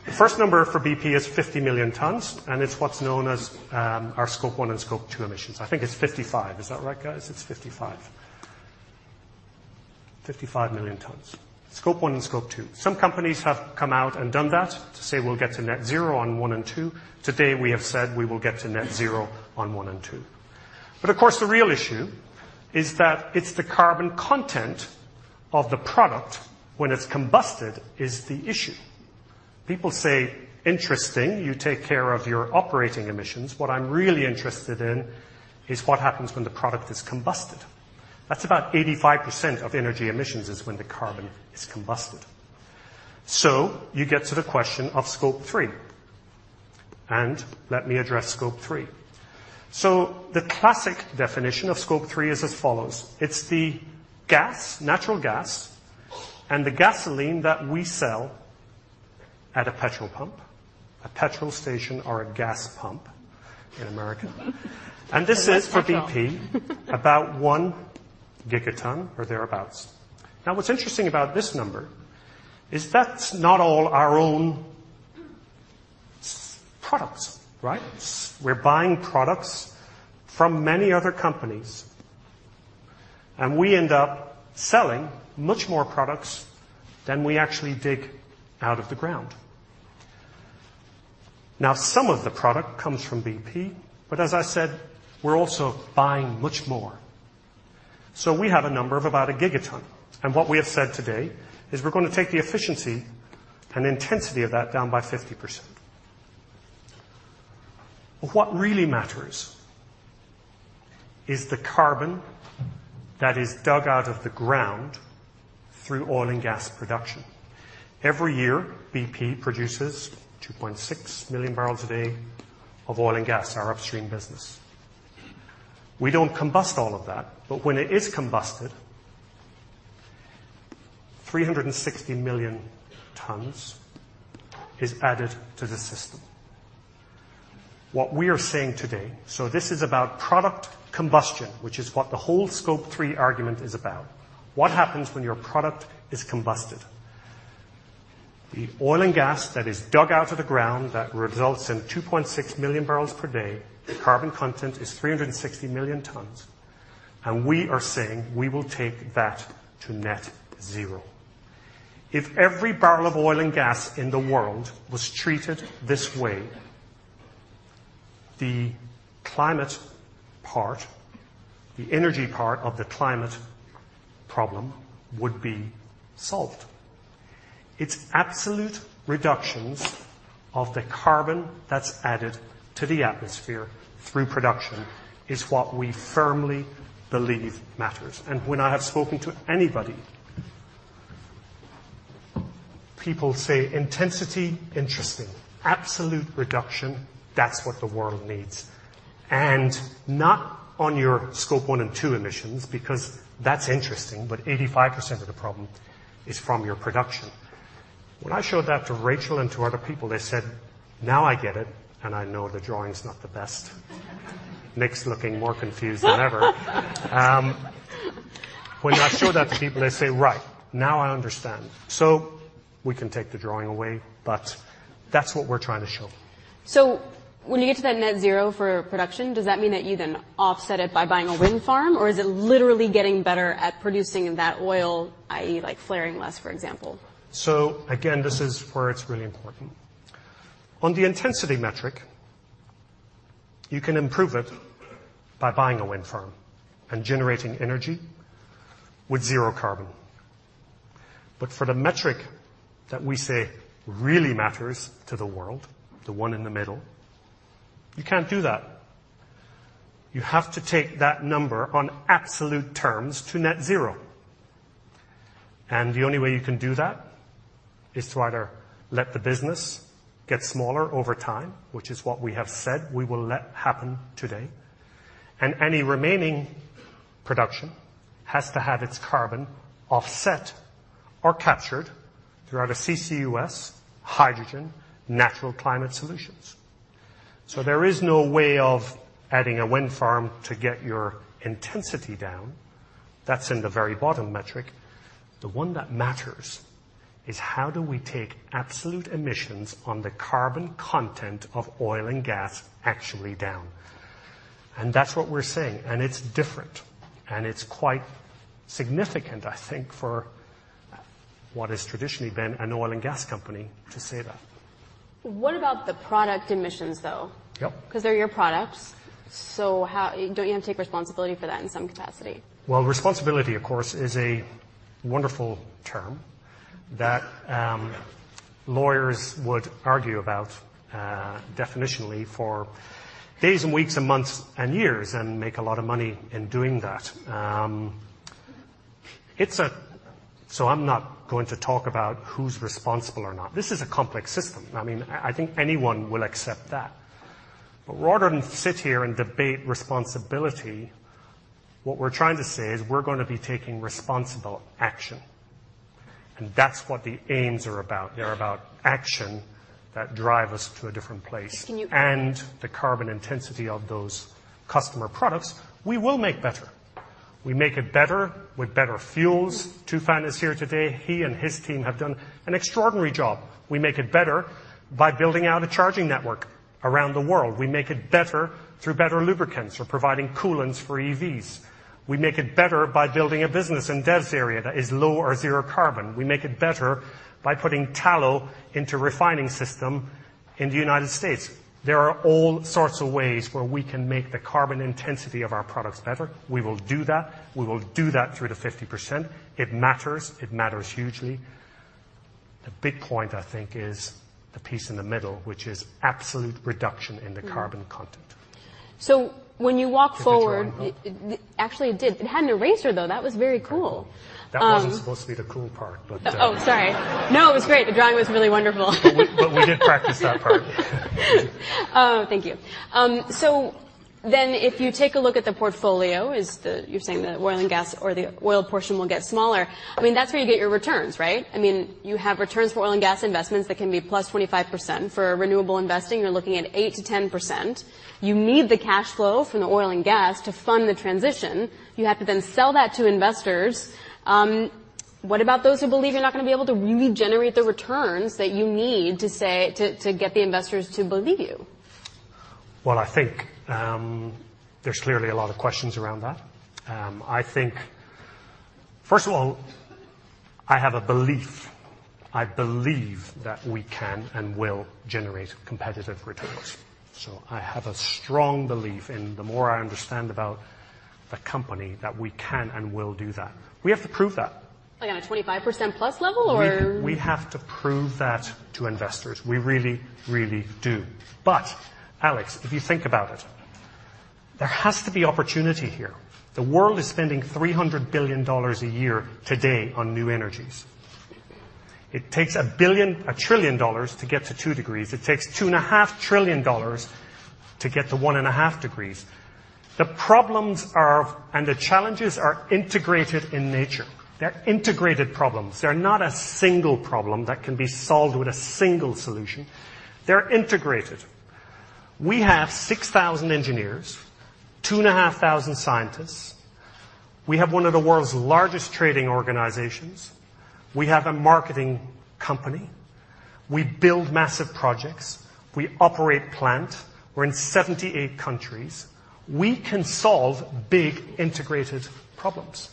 The first number for BP is 50 million tons, and it's what's known as our Scope 1 and Scope 2 emissions. I think it's 55. Is that right, guys? It's 55. 55 million tons, Scope 1 and Scope 2. Some companies have come out and done that to say we'll get to net zero on Scope 1 and Scope 2. Today, we have said we will get to net zero on Scope 1 and Scope 2. Of course, the real issue is that it's the carbon content of the product when it's combusted is the issue. People say, "Interesting, you take care of your operating emissions." What I'm really interested in is what happens when the product is combusted. That's about 85% of energy emissions is when the carbon is combusted. You get to the question of Scope 3, and let me address Scope 3. The classic definition of Scope 3 is as follows. It's the gas, natural gas, and the gasoline that we sell at a petrol pump, a petrol station or a gas pump in America. This is for BP, about one gigaton or thereabouts. What's interesting about this number is that's not all our own products, right? We're buying products from many other companies, and we end up selling much more products than we actually dig out of the ground. Some of the product comes from BP, but as I said, we're also buying much more. We have a number of about a gigaton, and what we have said today is we're going to take the efficiency and intensity of that down by 50%. What really matters is the carbon that is dug out of the ground through oil and gas production. Every year, BP produces 2.6 million barrels a day of oil and gas, our upstream business. We don't combust all of that, but when it is combusted, 360 million tons is added to the system. What we are saying today, this is about product combustion, which is what the whole Scope 3 argument is about. What happens when your product is combusted? The oil and gas that is dug out of the ground that results in 2.6 million barrels per day, the carbon content is 360 million tons, we are saying we will take that to net zero. If every barrel of oil and gas in the world was treated this way, the climate part, the energy part of the climate problem would be solved. It's absolute reductions of the carbon that's added to the atmosphere through production is what we firmly believe matters. When I have spoken to anybody, people say, "Intensity, interesting. Absolute reduction, that's what the world needs." Not on your Scope 1 and Scope 2 emissions, because that's interesting, but 85% of the problem is from your production. When I showed that to Rachel and to other people, they said, "Now I get it," and I know the drawing's not the best. Nick's looking more confused than ever. When I show that to people, they say, "Right, now I understand." We can take the drawing away, but that's what we're trying to show. When you get to that net zero for production, does that mean that you then offset it by buying a wind farm? Is it literally getting better at producing that oil, i.e. flaring less, for example? Again, this is where it's really important. On the intensity metric, you can improve it by buying a wind farm and generating energy with zero carbon. For the metric that we say really matters to the world, the one in the middle, you can't do that. You have to take that number on absolute terms to net zero. The only way you can do that is to either let the business get smaller over time, which is what we have said we will let happen today, and any remaining production has to have its carbon offset or captured throughout a CCUS, hydrogen, natural climate solutions. There is no way of adding a wind farm to get your intensity down. That's in the very bottom metric. The one that matters is how do we take absolute emissions on the carbon content of oil and gas actually down? That's what we're saying, and it's different, and it's quite significant, I think, for what has traditionally been an oil and gas company to say that. What about the product emissions, though? Yep. They're your products. Don't you have to take responsibility for that in some capacity? Well, responsibility, of course, is a wonderful term that lawyers would argue about definitionally for days and weeks and months and years and make a lot of money in doing that. I'm not going to talk about who's responsible or not. This is a complex system. I think anyone will accept that. Rather than sit here and debate responsibility, what we're trying to say is we're going to be taking responsible action. That's what the aims are about. They're about action that drive us to a different place. Can you- The carbon intensity of those customer products, we will make better. We make it better with better fuels. Tufan is here today. He and his team have done an extraordinary job. We make it better by building out a charging network around the world. We make it better through better lubricants or providing coolants for EVs. We make it better by building a business in Des area that is low or zero carbon. We make it better by putting tallow into refining system in the U.S. There are all sorts of ways where we can make the carbon intensity of our products better. We will do that. We will do that through the 50%. It matters. It matters hugely. The big point, I think, is the piece in the middle, which is absolute reduction in the carbon content. When you walk forward. Did the drawing help? Actually, it did. It had an eraser, though. That was very cool. That wasn't supposed to be the cool part. Oh, sorry. No, it was great. The drawing was really wonderful. We did practice that part. Oh, thank you. If you take a look at the portfolio, you're saying the oil and gas or the oil portion will get smaller. That's where you get your returns, right? You have returns for oil and gas investments that can be plus 25%. For renewable investing, you're looking at 8%-10%. You need the cash flow from the oil and gas to fund the transition. You have to then sell that to investors. What about those who believe you're not going to be able to really generate the returns that you need to get the investors to believe you? I think, there's clearly a lot of questions around that. First of all, I have a belief. I believe that we can and will generate competitive returns, so I have a strong belief, and the more I understand about the company, that we can and will do that. We have to prove that. Like on a 25%+ level. We have to prove that to investors. We really, really do. Alix, if you think about it, there has to be opportunity here. The world is spending $300 billion a year today on new energies. It takes $1 trillion to get to 2 degrees. It takes $2.5 trillion to get to 1.5 degrees. The problems are, and the challenges are integrated in nature. They're integrated problems. They're not a single problem that can be solved with a single solution. They're integrated. We have 6,000 engineers, 2,500 scientists. We have one of the world's largest trading organizations. We have a marketing company. We build massive projects. We operate plant. We're in 78 countries. We can solve big integrated problems.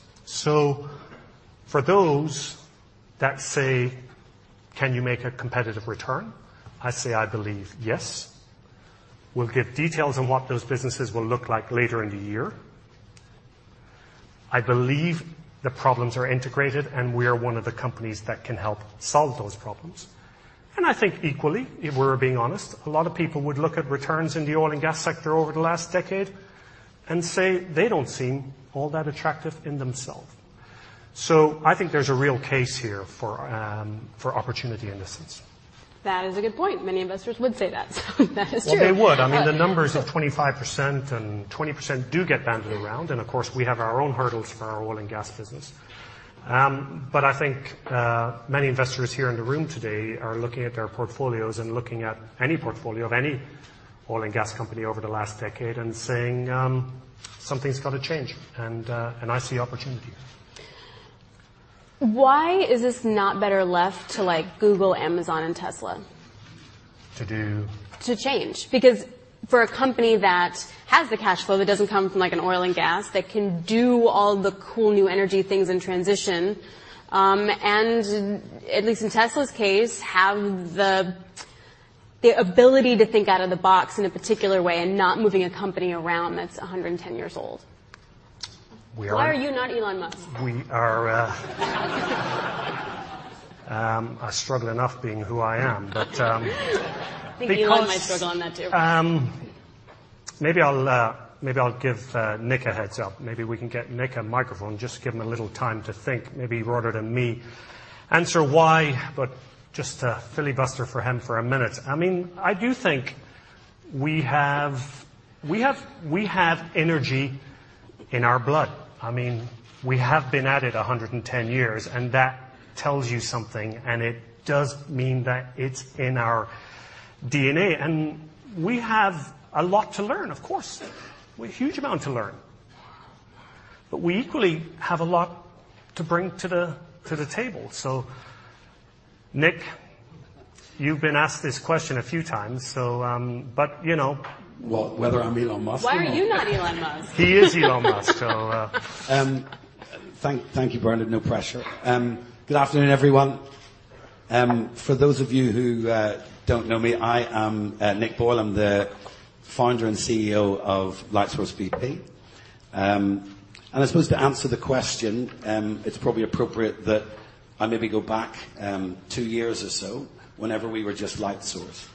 For those that say, "Can you make a competitive return?" I say, "I believe yes." We'll give details on what those businesses will look like later in the year. I believe the problems are integrated, and we are one of the companies that can help solve those problems. I think equally, if we're being honest, a lot of people would look at returns in the oil and gas sector over the last decade and say they don't seem all that attractive in themselves. I think there's a real case here for opportunity in a sense. That is a good point. Many investors would say that, so that is true. Well, they would. The numbers of 25% and 20% do get bandied around, and of course, we have our own hurdles for our oil and gas business. I think, many investors here in the room today are looking at their portfolios and looking at any portfolio of any oil and gas company over the last decade and saying, "Something's got to change." I see opportunity. Why is this not better left to Google, Amazon, and Tesla? To do? To change, because for a company that has the cash flow that doesn't come from an oil and gas, that can do all the cool new energy things in transition, and at least in Tesla's case, have the ability to think out of the box in a particular way and not moving a company around that's 110 years old. We are- Why are you not Elon Musk? We are, I struggle enough being who I am. I think Elon might struggle on that, too. Maybe I'll give Nick a heads-up. Maybe we can get Nick a microphone. Just give him a little time to think. Maybe he'd rather than me answer why, but just to filibuster for him for a minute. I do think we have energy in our blood. We have been at it 110 years, and that tells you something, and it does mean that it's in our DNA. We have a lot to learn, of course. We've a huge amount to learn. We equally have a lot to bring to the table. Nick, you've been asked this question a few times, but you know. Well, whether I'm Elon Musk or not? Why are you not Elon Musk? He is Elon Musk. Thank you, Bernard. No pressure. Good afternoon, everyone. For those of you who don't know me, I am Nick Boyle. I'm the Founder and CEO of Lightsource bp. I suppose to answer the question, it's probably appropriate that I maybe go back two years or so whenever we were just Lightsource.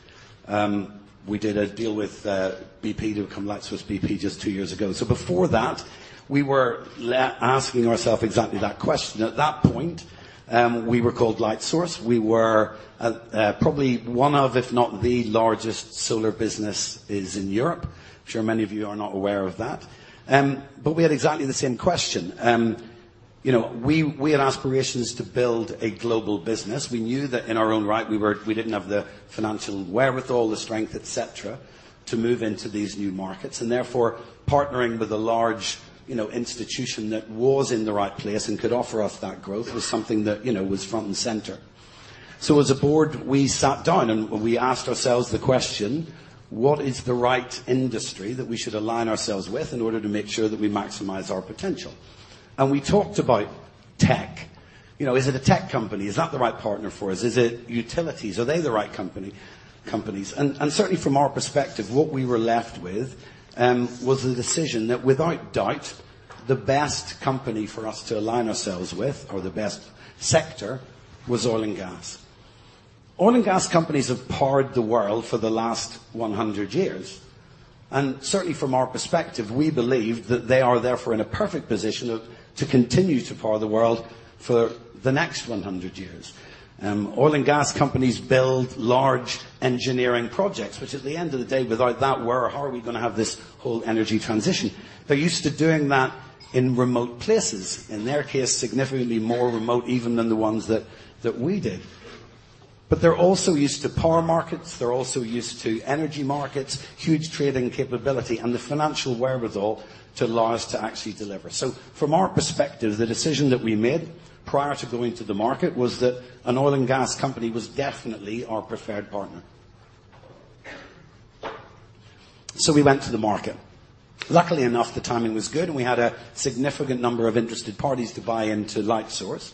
We did a deal with BP to become Lightsource bp just two years ago. Before that, we were asking ourselves exactly that question. At that point, we were called Lightsource. We were probably one of, if not the largest solar businesses in Europe. I'm sure many of you are not aware of that. We had exactly the same question. We had aspirations to build a global business. We knew that in our own right, we didn't have the financial wherewithal, the strength, et cetera, to move into these new markets. Therefore, partnering with a large institution that was in the right place and could offer us that growth was something that was front and center. As a board, we sat down and we asked ourselves the question. What is the right industry that we should align ourselves with in order to make sure that we maximize our potential? We talked about tech. Is it a tech company? Is that the right partner for us? Is it utilities? Are they the right companies? Certainly from our perspective, what we were left with was the decision that without doubt, the best company for us to align ourselves with or the best sector was oil and gas. Oil and gas companies have powered the world for the last 100 years. Certainly from our perspective, we believe that they are therefore in a perfect position to continue to power the world for the next 100 years. Oil and gas companies build large engineering projects, which at the end of the day, without that, how are we going to have this whole energy transition? They're used to doing that in remote places, in their case, significantly more remote even than the ones that we did. They're also used to power markets. They're also used to energy markets, huge trading capability, and the financial wherewithal to allow us to actually deliver. From our perspective, the decision that we made prior to going to the market was that an oil and gas company was definitely our preferred partner. We went to the market. Luckily enough, the timing was good, and we had a significant number of interested parties to buy into Lightsource.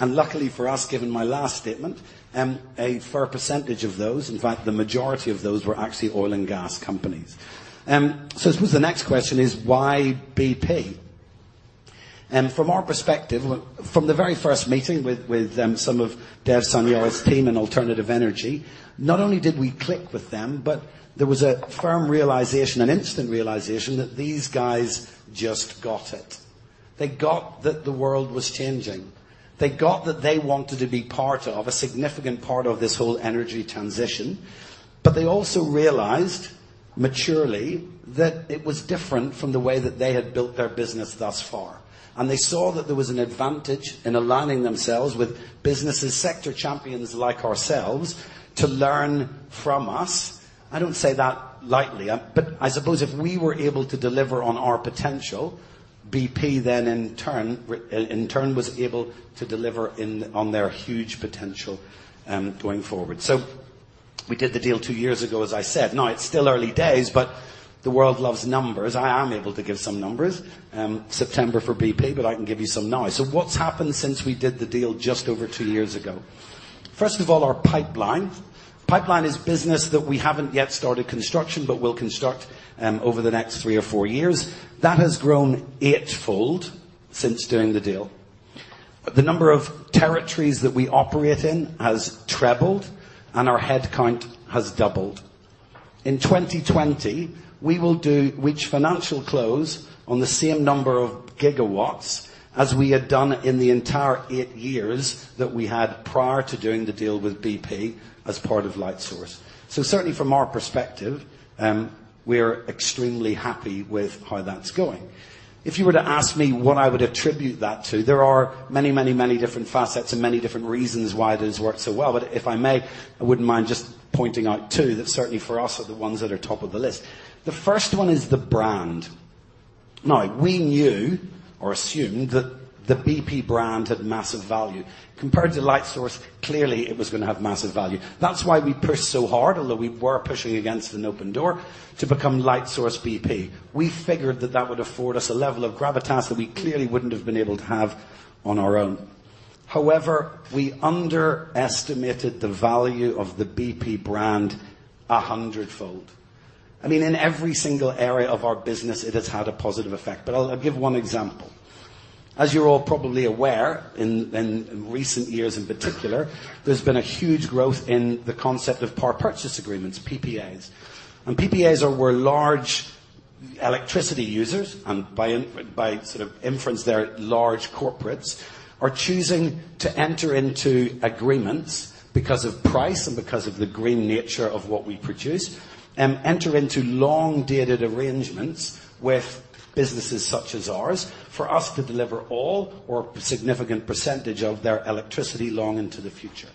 Luckily for us, given my last statement, a fair percentage of those, in fact, the majority of those were actually oil and gas companies. I suppose the next question is why BP? From our perspective, from the very first meeting with some of Dev Sanyal's team in alternative energy, not only did we click with them, but there was a firm realization, an instant realization that these guys just got it. They got that the world was changing. They got that they wanted to be a significant part of this whole energy transition. They also realized maturely that it was different from the way that they had built their business thus far. They saw that there was an advantage in aligning themselves with businesses sector champions like ourselves to learn from us. I don't say that lightly, but I suppose if we were able to deliver on our potential, BP then in turn was able to deliver on their huge potential going forward. We did the deal two years ago, as I said. Now it's still early days, but the world loves numbers. I am able to give some numbers. I can give you some now. What's happened since we did the deal just over two years ago? First of all, our pipeline. Pipeline is business that we haven't yet started construction but will construct over the next three or four years. That has grown eightfold since doing the deal. The number of territories that we operate in has trebled, and our head count has doubled. In 2020, we will reach financial close on the same number of gigawatts as we had done in the entire eight years that we had prior to doing the deal with BP as part of Lightsource. Certainly from our perspective, we're extremely happy with how that's going. If you were to ask me what I would attribute that to, there are many different facets and many different reasons why it has worked so well. But if I may, I wouldn't mind just pointing out two that certainly for us are the ones that are top of the list. The first one is the brand. Now, we knew or assumed that the BP brand had massive value. Compared to Lightsource, clearly it was going to have massive value. That's why we pushed so hard, although we were pushing against an open door to become Lightsource bp. We figured that that would afford us a level of gravitas that we clearly wouldn't have been able to have on our own. However, we underestimated the value of the BP brand a hundredfold. In every single area of our business, it has had a positive effect. I'll give one example. As you're all probably aware, in recent years in particular, there's been a huge growth in the concept of power purchase agreements, PPAs. PPAs are where large electricity users, and by inference there, large corporates, are choosing to enter into agreements because of price and because of the green nature of what we produce, enter into long-dated arrangements with businesses such as ours for us to deliver all or a significant percentage of their electricity long into the future.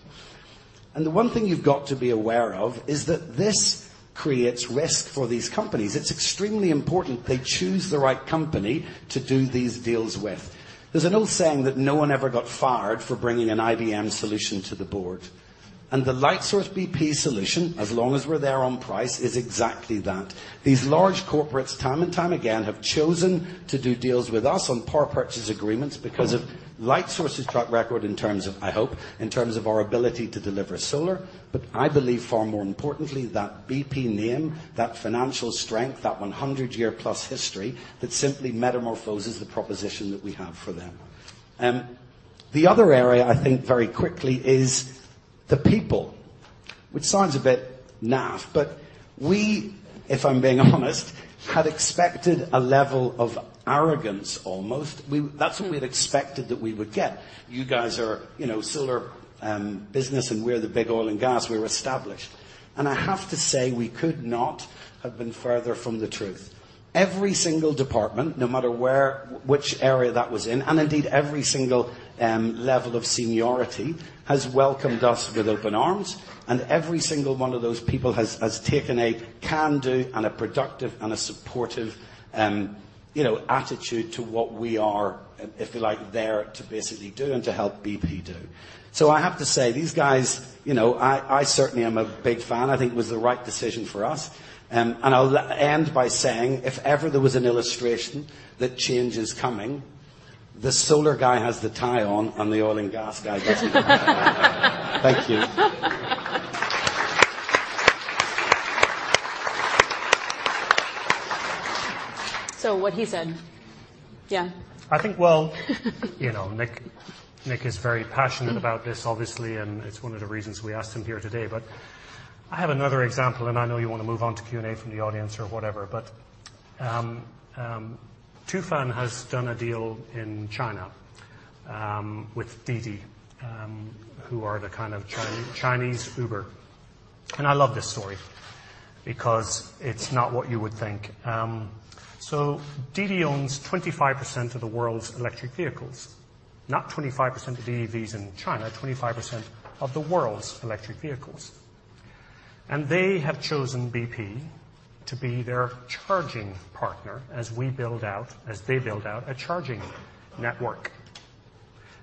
The one thing you've got to be aware of is that this creates risk for these companies. It's extremely important they choose the right company to do these deals with. There's an old saying that no one ever got fired for bringing an IBM solution to the board. The Lightsource bp solution, as long as we're there on price, is exactly that. These large corporates, time and time again, have chosen to do deals with us on power purchase agreements because of Lightsource's track record, I hope, in terms of our ability to deliver solar. I believe far more importantly, that BP name, that financial strength, that 100-year-plus history that simply metamorphoses the proposition that we have for them. The other area I think very quickly is the people, which sounds a bit naff, but we, if I'm being honest, had expected a level of arrogance almost. That's what we had expected that we would get. You guys are solar business, and we're the big oil and gas. We're established. I have to say we could not have been further from the truth. Every single department, no matter which area that was in, and indeed every single level of seniority, has welcomed us with open arms, and every single one of those people has taken a can-do and a productive and a supportive attitude to what we are, if you like, there to basically do and to help BP do. I have to say, these guys, I certainly am a big fan. I think it was the right decision for us. I'll end by saying, if ever there was an illustration that change is coming, the solar guy has the tie on and the oil and gas guy does not. Thank you. What he said. Yeah. I think Nick is very passionate about this, obviously, and it's one of the reasons we asked him here today. I have another example, and I know you want to move on to Q&A from the audience or whatever, but Tufan has done a deal in China, with Didi, who are the kind of Chinese Uber. I love this story because it's not what you would think. Didi owns 25% of the world's electric vehicles, not 25% of the EVs in China, 25% of the world's electric vehicles. They have chosen BP to be their charging partner as they build out a charging network.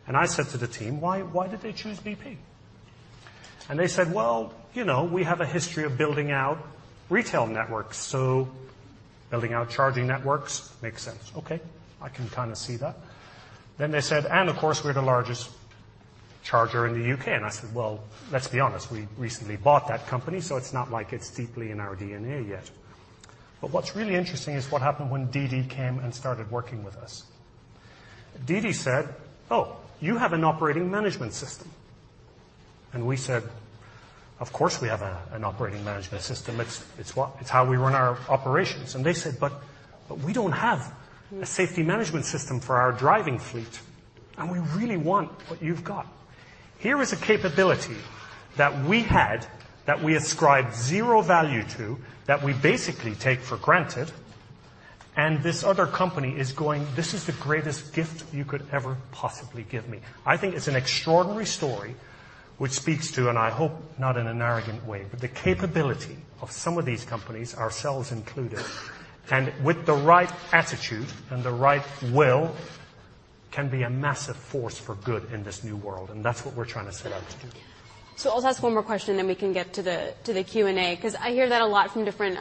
I said to the team, "Why did they choose BP?" They said, "Well, we have a history of building out retail networks, so building out charging networks makes sense." Okay, I can kind of see that. They said, "And of course, we're the largest charger in the U.K." I said, "Well, let's be honest, we recently bought that company, so it's not like it's deeply in our DNA yet." What's really interesting is what happened when Didi came and started working with us. Didi said, "Oh, you have an operating management system." We said, "Of course, we have an operating management system. It's how we run our operations." They said, "We don't have a safety management system for our driving fleet, and we really want what you've got." Here is a capability that we had that we ascribed zero value to, that we basically take for granted, and this other company is going, "This is the greatest gift you could ever possibly give me." I think it's an extraordinary story, which speaks to, and I hope not in an arrogant way, but the capability of some of these companies, ourselves included, and with the right attitude and the right will, can be a massive force for good in this new world, and that's what we're trying to set out to do. I'll just ask one more question, then we can get to the Q&A, because I hear that a lot from different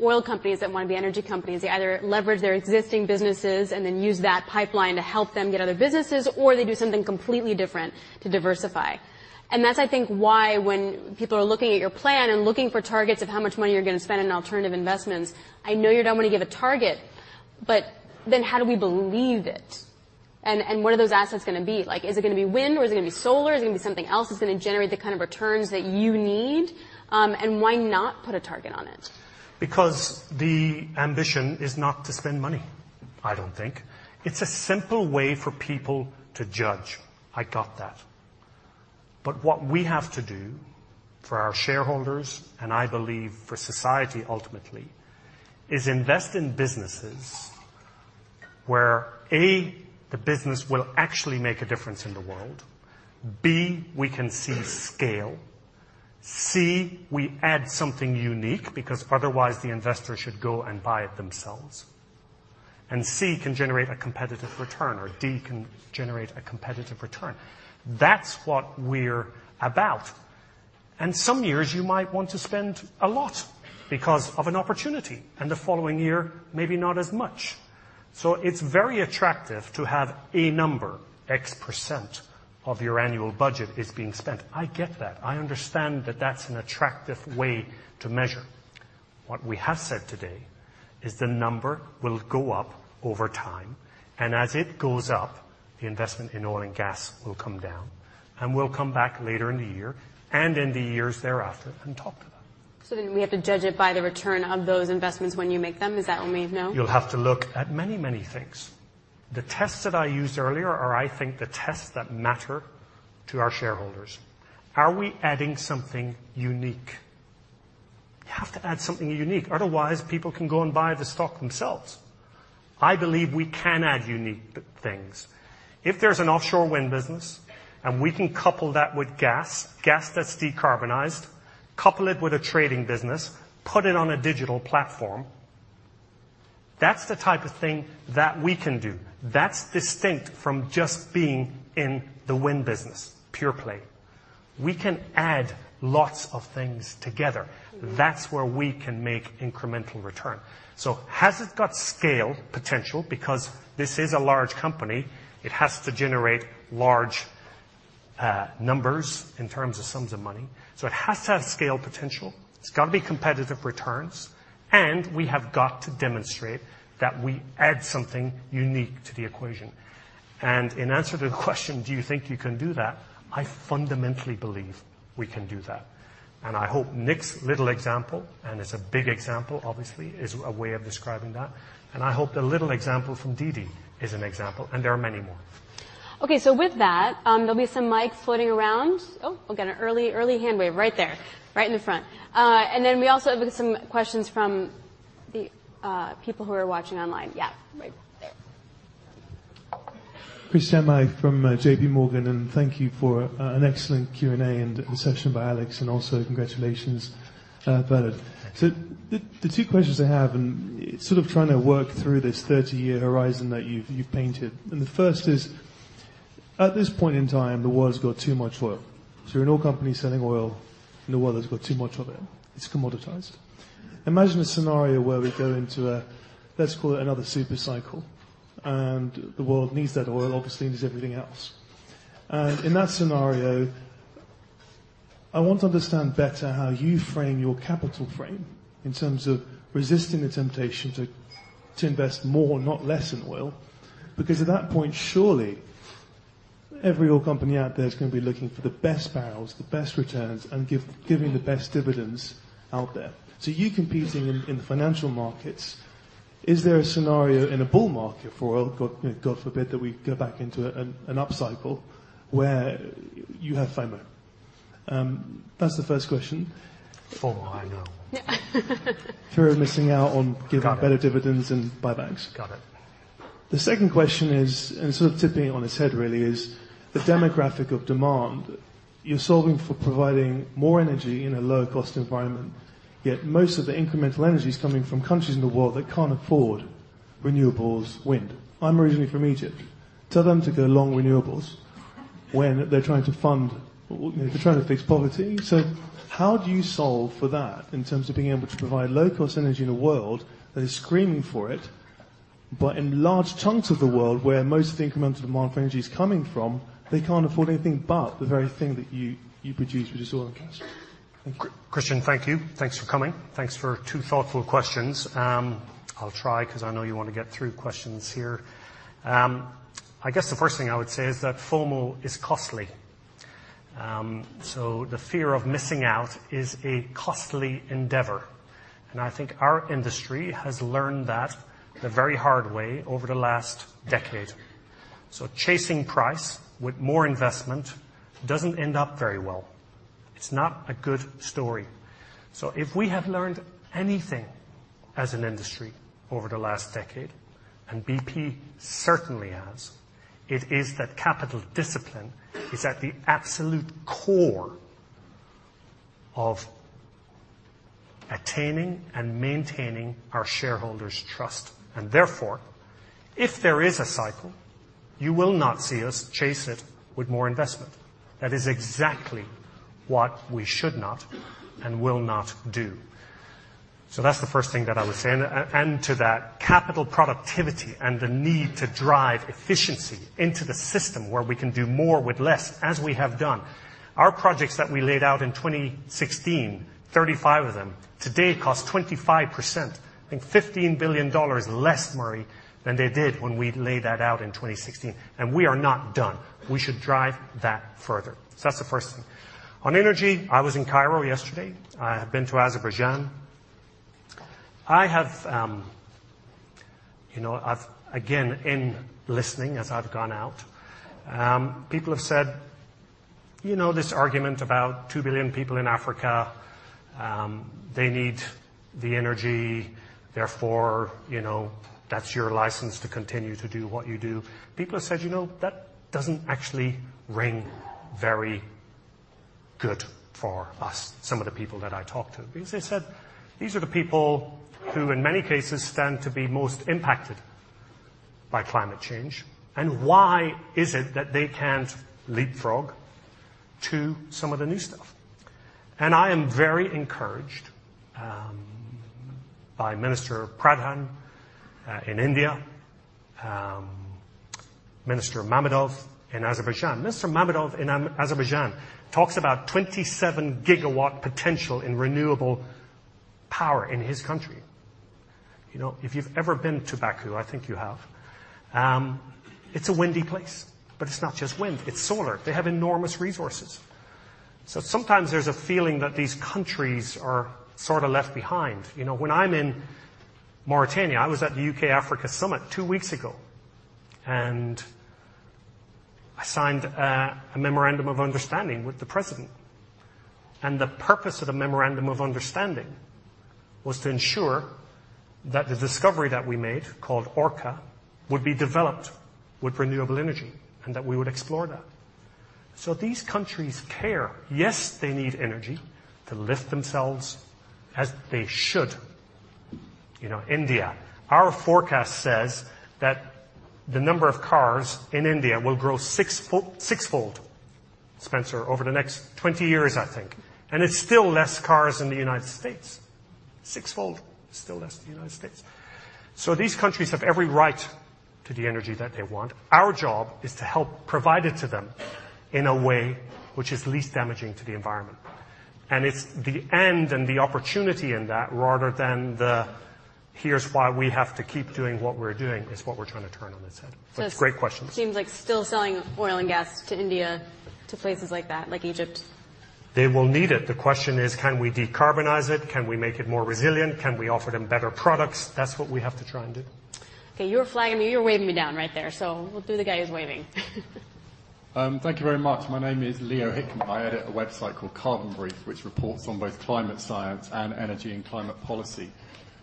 oil companies that want to be energy companies. They either leverage their existing businesses and then use that pipeline to help them get other businesses, or they do something completely different to diversify. That's, I think, why when people are looking at your plan and looking for targets of how much money you're going to spend on alternative investments, I know you're not going to give a target, but then how do we believe it? What are those assets going to be? Is it going to be wind, or is it going to be solar? Is it going to be something else that's going to generate the kind of returns that you need? Why not put a target on it? The ambition is not to spend money, I don't think. It's a simple way for people to judge. I got that. What we have to do for our shareholders, and I believe for society ultimately, is invest in businesses where, A, the business will actually make a difference in the world. B, we can see scale. C, we add something unique, because otherwise the investor should go and buy it themselves. C, can generate a competitive return, or D, can generate a competitive return. That's what we're about. Some years, you might want to spend a lot because of an opportunity, and the following year, maybe not as much. It's very attractive to have a number, X% of your annual budget is being spent. I get that. I understand that that's an attractive way to measure. What we have said today is the number will go up over time, and as it goes up, the investment in oil and gas will come down, and we'll come back later in the year and in the years thereafter and talk to that. We have to judge it by the return of those investments when you make them? Is that what I mean? No? You'll have to look at many, many things. The tests that I used earlier are, I think, the tests that matter to our shareholders. Are we adding something unique? You have to add something unique. Otherwise, people can go and buy the stock themselves. I believe we can add unique things. If there's an offshore wind business and we can couple that with gas that's decarbonized, couple it with a trading business, put it on a digital platform, that's the type of thing that we can do. That's distinct from just being in the wind business, pure play. We can add lots of things together. That's where we can make incremental return. Has it got scale potential? Because this is a large company, it has to generate large numbers in terms of sums of money. It has to have scale potential, it's got to be competitive returns, and we have got to demonstrate that we add something unique to the equation. In answer to the question, do you think you can do that? I fundamentally believe we can do that. I hope Nick's little example, and it's a big example, obviously, is a way of describing that. I hope the little example from Didi is an example, and there are many more. With that, there'll be some mics floating around. We've got an early hand wave right there. Right in the front. We also have some questions from the people who are watching online. Yeah, right there. Christyan Malek from JPMorgan, thank you for an excellent Q&A and the session by Alix, also congratulations, Bernard. The two questions I have, sort of trying to work through this 30-year horizon that you've painted, the first is, at this point in time, the world's got too much oil. You're an oil company selling oil, the world has got too much of it. It's commoditized. Imagine a scenario where we go into a, let's call it another super cycle, the world needs that oil, obviously, needs everything else. In that scenario, I want to understand better how you frame your capital frame in terms of resisting the temptation to invest more, not less, in oil. At that point, surely, every oil company out there is going to be looking for the best barrels, the best returns, and giving the best dividends out there. You competing in the financial markets, is there a scenario in a bull market for oil, God forbid, that we go back into an upcycle where you have FOMO? That's the first question. FOMO, I know. Fear of missing out on giving. Got it. Better dividends and buybacks. Got it. The second question is, sort of tipping it on its head really, is the demographic of demand. You're solving for providing more energy in a low-cost environment, yet most of the incremental energy is coming from countries in the world that can't afford renewables wind. I'm originally from Egypt. Tell them to go long renewables when they're trying to fix poverty. How do you solve for that in terms of being able to provide low-cost energy in a world that is screaming for it, but in large chunks of the world where most of the incremental demand for energy is coming from, they can't afford anything but the very thing that you produce, which is oil and gas? Christyan, thank you. Thanks for coming. Thanks for two thoughtful questions. I'll try, because I know you want to get through questions here. I guess the first thing I would say is that FOMO is costly. The fear of missing out is a costly endeavor, and I think our industry has learned that the very hard way over the last decade. Chasing price with more investment doesn't end up very well. It's not a good story. If we have learned anything as an industry over the last decade, and BP certainly has, it is that capital discipline is at the absolute core of attaining and maintaining our shareholders' trust. Therefore, if there is a cycle, you will not see us chase it with more investment. That is exactly what we should not and will not do. That's the first thing that I would say. To that, capital productivity and the need to drive efficiency into the system where we can do more with less, as we have done. Our projects that we laid out in 2016, 35 of them, today cost 25%, I think $15 billion less, Looney, than they did when we laid that out in 2016, and we are not done. We should drive that further. That's the first thing. On energy, I was in Cairo yesterday. I have been to Azerbaijan. I have, again, in listening as I've gone out, people have said, "You know this argument about 2 billion people in Africa, they need the energy, therefore, that's your license to continue to do what you do." People have said, "You know, that doesn't actually ring very good for us," some of the people that I talk to, because they said, "These are the people who, in many cases, stand to be most impacted by climate change, and why is it that they can't leapfrog to some of the new stuff?" I am very encouraged by Minister Pradhan in India, Minister Mammadov in Azerbaijan. Minister Mammadov in Azerbaijan talks about 27 GW potential in renewable power in his country. If you've ever been to Baku, I think you have, it's a windy place. It's not just wind, it's solar. They have enormous resources. Sometimes there's a feeling that these countries are sort of left behind. When I'm in Mauritania, I was at the U.K.-Africa Summit two weeks ago, and I signed a memorandum of understanding with the president, and the purpose of the memorandum of understanding was to ensure that the discovery that we made, called Orca, would be developed with renewable energy, and that we would explore that. These countries care. Yes, they need energy to lift themselves as they should. India, our forecast says that the number of cars in India will grow sixfold, Spencer, over the next 20 years, I think. It's still less cars than the United States. Sixfold, still less than the United States. These countries have every right to the energy that they want. Our job is to help provide it to them in a way which is least damaging to the environment. It's the end and the opportunity in that rather than the here's why we have to keep doing what we're doing is what we're trying to turn on its head. It's a great question. Seems like still selling oil and gas to India, to places like that, like Egypt. They will need it. The question is, can we decarbonize it? Can we make it more resilient? Can we offer them better products? That's what we have to try and do. Okay, you were flagging me. You were waving me down right there. We'll do the guy who's waving. Thank you very much. My name is Leo Hickman. I edit a website called Carbon Brief, which reports on both climate science and energy and climate policy.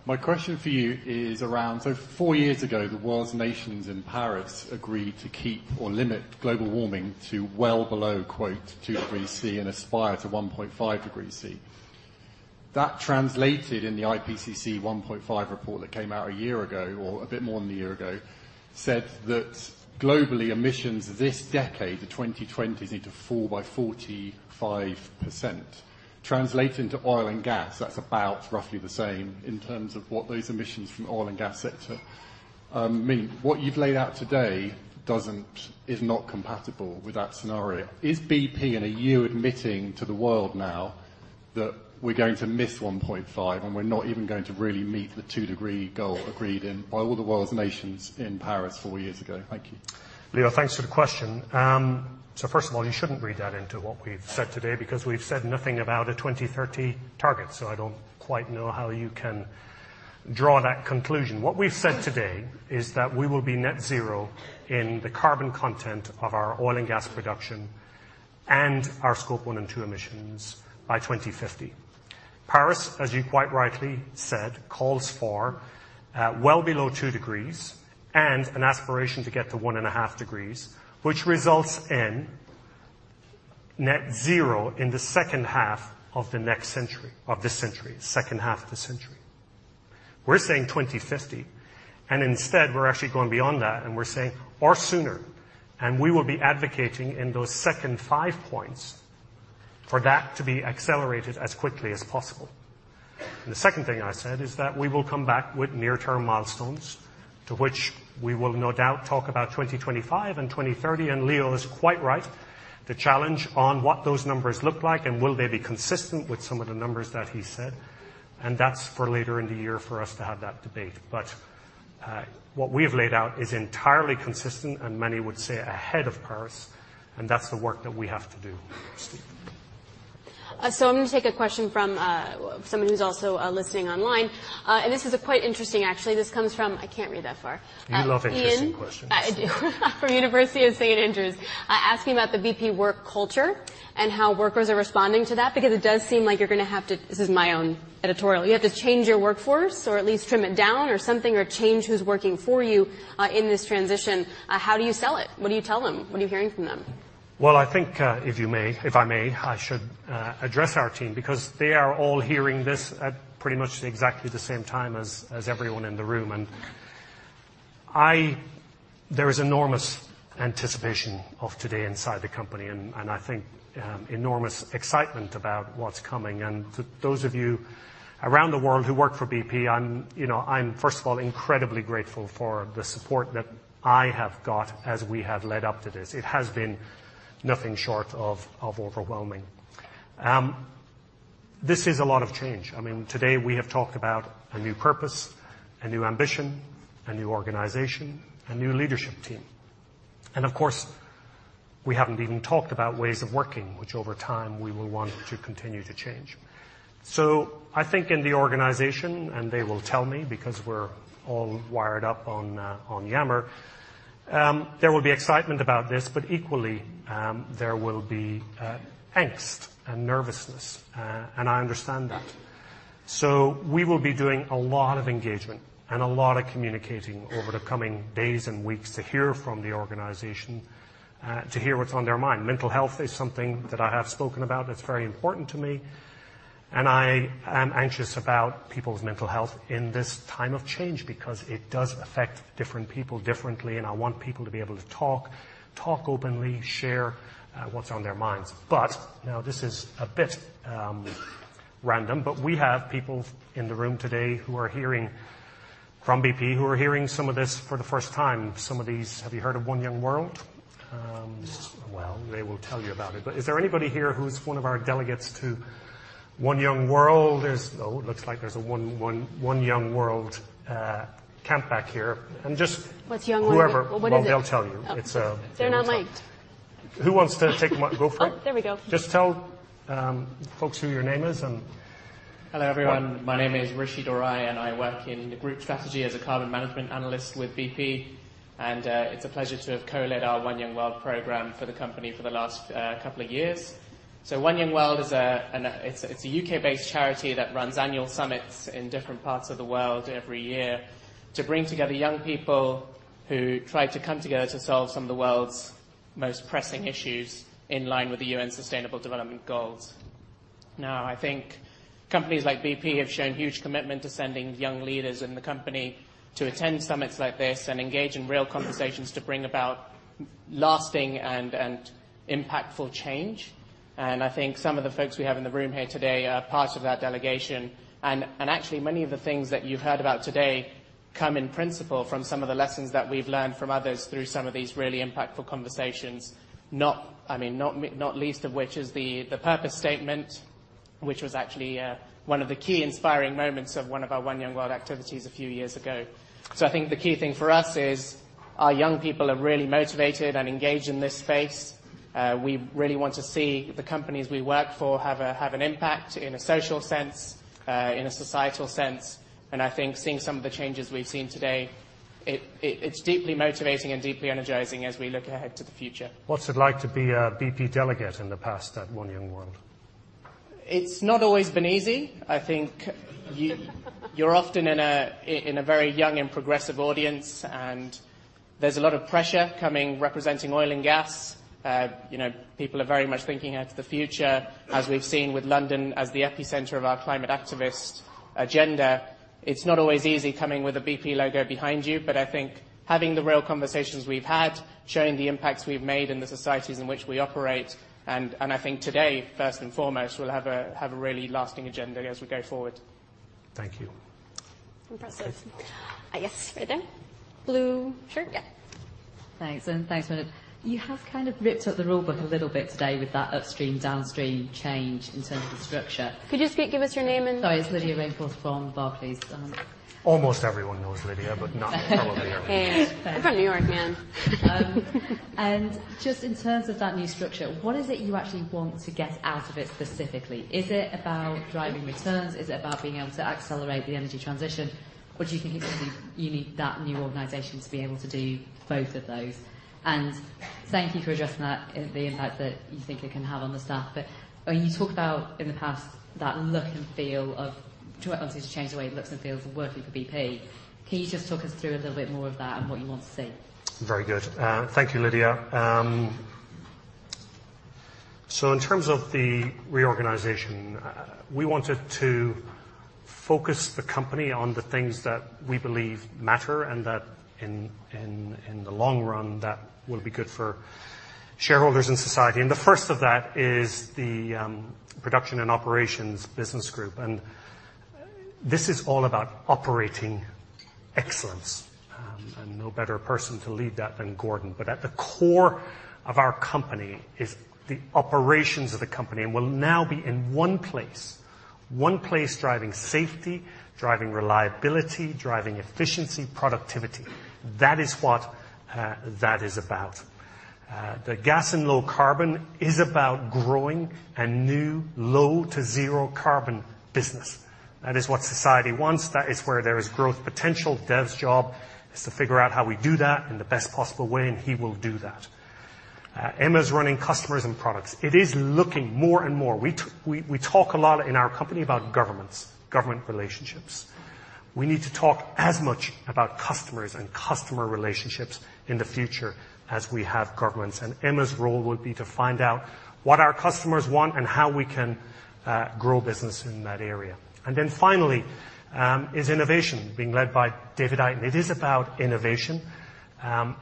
My question for you is around, four years ago, the world's nations in Paris agreed to keep or limit global warming to well below, quote, "2 degrees Celsius and aspire to 1.5 degrees Celsius." That translated in the IPCC 1.5 report that came out a year ago, or a bit more than a year ago, said that globally, emissions this decade, the 2020s, need to fall by 45%. Translated into oil and gas, that's about roughly the same in terms of what those emissions from oil and gas sector mean. What you've laid out today is not compatible with that scenario. Is BP, and are you admitting to the world now that we're going to miss 1.5, and we're not even going to really meet the two degree goal agreed by all the world's nations in Paris four years ago? Thank you. Leo, thanks for the question. First of all, you shouldn't read that into what we've said today because we've said nothing about a 2030 target. I don't quite know how you can draw that conclusion. What we've said today is that we will be net zero in the carbon content of our oil and gas production and our Scope 1 and Scope 2 emissions by 2050. Paris, as you quite rightly said, calls for well below two degrees and an aspiration to get to 1.5 Degrees, which results in net zero in the second half of the century. We're saying 2050, instead, we're actually going beyond that, we're saying or sooner, we will be advocating in those second five points for that to be accelerated as quickly as possible. The second thing I said is that we will come back with near-term milestones to which we will no doubt talk about 2025 and 2030. Leo is quite right to challenge on what those numbers look like and will they be consistent with some of the numbers that he said. That's for later in the year for us to have that debate. What we have laid out is entirely consistent and many would say ahead of Paris. That's the work that we have to do. Steel?. I'm going to take a question from someone who's also listening online. This is quite interesting, actually. This comes from I can't read that far. You love interesting questions. I do. From University of St. Andrews, asking about the BP work culture and how workers are responding to that because it does seem like you're going to have to, this is my own editorial, you have to change your workforce or at least trim it down or something, or change who's working for you in this transition. How do you sell it? What do you tell them? What are you hearing from them? Well, I think if I may, I should address our team because they are all hearing this at pretty much exactly the same time as everyone in the room. There is enormous anticipation of today inside the company, and I think enormous excitement about what's coming. To those of you around the world who work for BP, I'm first of all incredibly grateful for the support that I have got as we have led up to this. It has been nothing short of overwhelming. This is a lot of change. Today we have talked about a new purpose, a new ambition, a new organization, a new leadership team, and of course, we haven't even talked about ways of working, which over time we will want to continue to change. I think in the organization, and they will tell me because we're all wired up on Yammer, there will be excitement about this, but equally, there will be angst and nervousness, and I understand that. We will be doing a lot of engagement and a lot of communicating over the coming days and weeks to hear from the organization, to hear what's on their mind. Mental health is something that I have spoken about that's very important to me, and I am anxious about people's mental health in this time of change because it does affect different people differently, and I want people to be able to talk openly, share what's on their minds. Now this is a bit random, but we have people in the room today from BP who are hearing some of this for the first time. Some of these, have you heard of One Young World? Well, they will tell you about it. Is there anybody here who's one of our delegates to One Young World? Oh, it looks like there's a One Young World camp back here. What's Young World? What is it? Well, they'll tell you. Oh. They're not miked. Who wants to take the mic? Go for it. Oh, there we go. Just tell folks who your name is. Hello, everyone. My name is Rishi Dorai, I work in the group strategy as a Carbon Management Analyst with BP. It's a pleasure to have co-led our One Young World program for the company for the last couple of years. One Young World, it's a U.K.-based charity that runs annual summits in different parts of the world every year to bring together young people who try to come together to solve some of the world's most pressing issues in line with the UN Sustainable Development Goals. Now, I think companies like BP have shown huge commitment to sending young leaders in the company to attend summits like this and engage in real conversations to bring about lasting and impactful change. I think some of the folks we have in the room here today are part of that delegation. Actually, many of the things that you've heard about today come in principle from some of the lessons that we've learned from others through some of these really impactful conversations, not least of which is the purpose statement. Which was actually one of the key inspiring moments of one of our One Young World activities a few years ago. I think the key thing for us is our young people are really motivated and engaged in this space. We really want to see the companies we work for have an impact in a social sense, in a societal sense. I think seeing some of the changes we've seen today, it's deeply motivating and deeply energizing as we look ahead to the future. What's it like to be a BP delegate in the past at One Young World? It's not always been easy. You're often in a very young and progressive audience, and there's a lot of pressure coming representing oil and gas. People are very much thinking ahead to the future, as we've seen with London as the epicenter of our climate activist agenda. It's not always easy coming with a BP logo behind you, but I think having the real conversations we've had, showing the impacts we've made in the societies in which we operate, and I think today, first and foremost, we'll have a really lasting agenda as we go forward. Thank you. Impressive. I guess right there. Blue shirt. Yeah. Thanks. Thanks, Bernard. You have kind of ripped up the rule book a little bit today with that upstream, downstream change in terms of the structure. Could you just give us your name? Sorry. It's Lydia Rainforth from Barclays. Almost everyone knows Lydia, but not probably everyone here. Hey, I'm from New York, man. Just in terms of that new structure, what is it you actually want to get out of it specifically? Is it about driving returns? Is it about being able to accelerate the energy transition, or do you think you need that new organization to be able to do both of those? Thank you for addressing that, the impact that you think it can have on the staff. When you talk about in the past, that look and feel of to change the way it looks and feels working for BP. Can you just talk us through a little bit more of that and what you want to see? Very good. Thank you, Lydia. In terms of the reorganization, we wanted to focus the company on the things that we believe matter and that in the long run, that will be good for shareholders in society. The first of that is the Production and Operations Business Group. This is all about operating excellence, and no better person to lead that than Gordon. At the core of our company is the operations of the company and will now be in one place. One place driving safety, driving reliability, driving efficiency, productivity. That is what that is about. The Gas and Low Carbon is about growing a new low to zero carbon business. That is what society wants. That is where there is growth potential. Dev's job is to figure out how we do that in the best possible way, and he will do that. Emma's running customers and products. It is looking more and more. We talk a lot in our company about governments, government relationships. We need to talk as much about customers and customer relationships in the future as we have governments. Emma's role would be to find out what our customers want and how we can grow business in that area. Finally, is innovation being led by David and I. It is about innovation.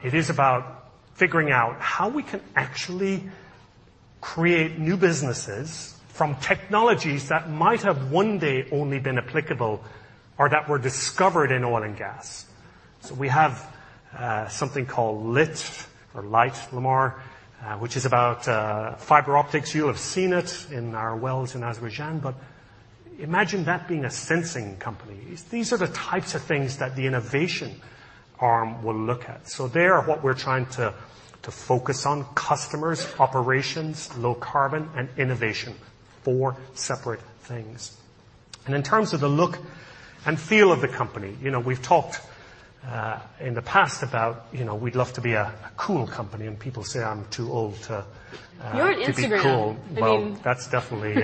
It is about figuring out how we can actually create new businesses from technologies that might have one day only been applicable or that were discovered in oil and gas. We have something called LDAR, which is about fiber optics. You have seen it in our wells in Azerbaijan, but imagine that being a sensing company. These are the types of things that the innovation arm will look at. They are what we're trying to focus on, customers, operations, low carbon, and innovation. Four separate things. In terms of the look and feel of the company, we've talked in the past about we'd love to be a cool company, and people say I'm too old. You're on Instagram. to be cool. That's definitely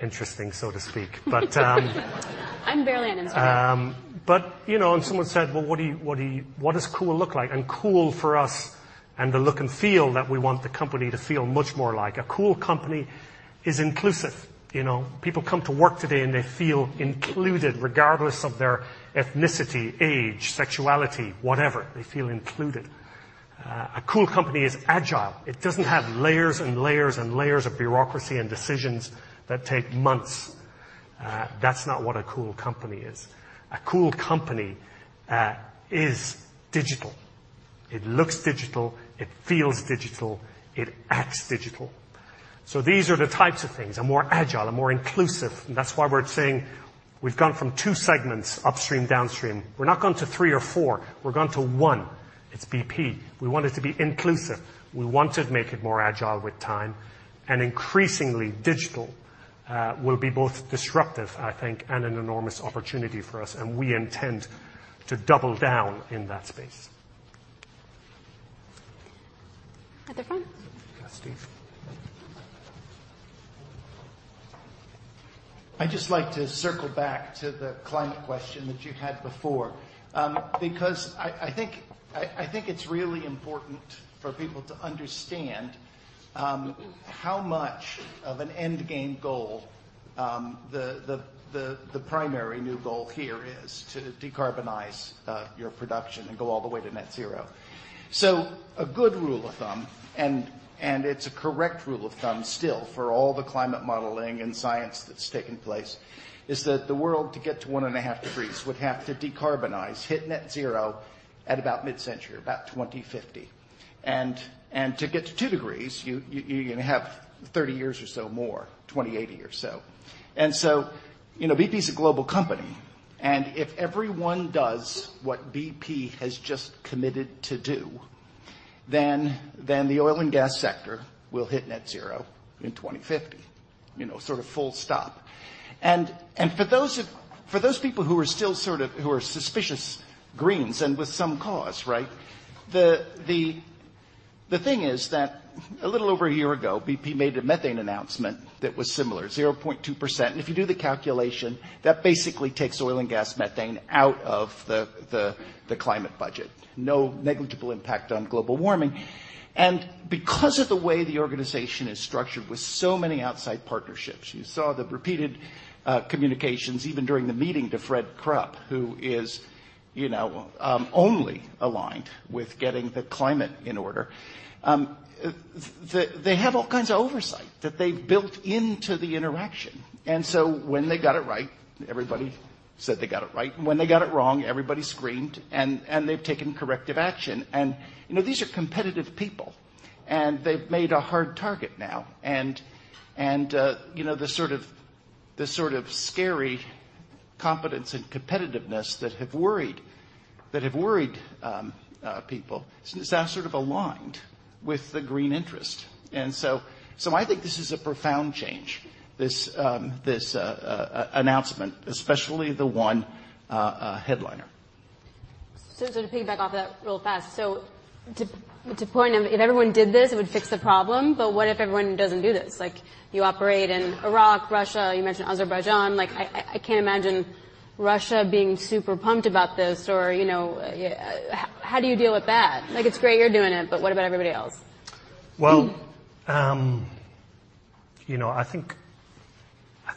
interesting, so to speak. I'm barely on Instagram. Someone said, "Well, what does cool look like?" Cool for us and the look and feel that we want the company to feel much more like a cool company is inclusive. People come to work today, they feel included regardless of their ethnicity, age, sexuality, whatever. They feel included. A cool company is agile. It doesn't have layers and layers and layers of bureaucracy and decisions that take months. That's not what a cool company is. A cool company is digital. It looks digital. It feels digital. It acts digital. These are the types of things, are more agile and more inclusive, that's why we're saying we've gone from two segments, upstream, downstream. We're not going to three or four. We're going to one. It's BP. We want it to be inclusive. We want to make it more agile with time. Increasingly digital will be both disruptive, I think, and an enormous opportunity for us. We intend to double down in that space. At the front. Yeah, Steve. I'd just like to circle back to the climate question that you had before because I think it's really important for people to understand how much of an end game goal, the primary new goal here is to decarbonize your production and go all the way to net zero. A good rule of thumb, and it's a correct rule of thumb still for all the climate modeling and science that's taken place, is that the world to get to 1.5 degrees would have to decarbonize, hit net zero at about mid-century, about 2050. To get to 2 degrees, you're going to have 30 years or so more, 2080 or so. BP is a global company. If everyone does what BP has just committed to do, then the oil and gas sector will hit net zero in 2050, sort of full stop. For those people who are suspicious greens, and with some cause, right? The thing is that a little over a year ago, BP made a methane announcement that was similar, 0.2%. If you do the calculation, that basically takes oil and gas methane out of the climate budget. No negligible impact on global warming. Because of the way the organization is structured with so many outside partnerships, you saw the repeated communications, even during the meeting to Fred Krupp, who is only aligned with getting the climate in order. They have all kinds of oversight that they built into the interaction. When they got it right, everybody said they got it right. When they got it wrong, everybody screamed, and they've taken corrective action. These are competitive people, and they've made a hard target now. The sort of scary competence and competitiveness that have worried people, that's sort of aligned with the green interest. I think this is a profound change, this announcement, especially the one headliner. To piggyback off of that real fast. To point, if everyone did this, it would fix the problem, but what if everyone doesn't do this? You operate in Iraq, Russia, you mentioned Azerbaijan. I can't imagine Russia being super pumped about this or how do you deal with that? It's great you're doing it, but what about everybody else? Well, I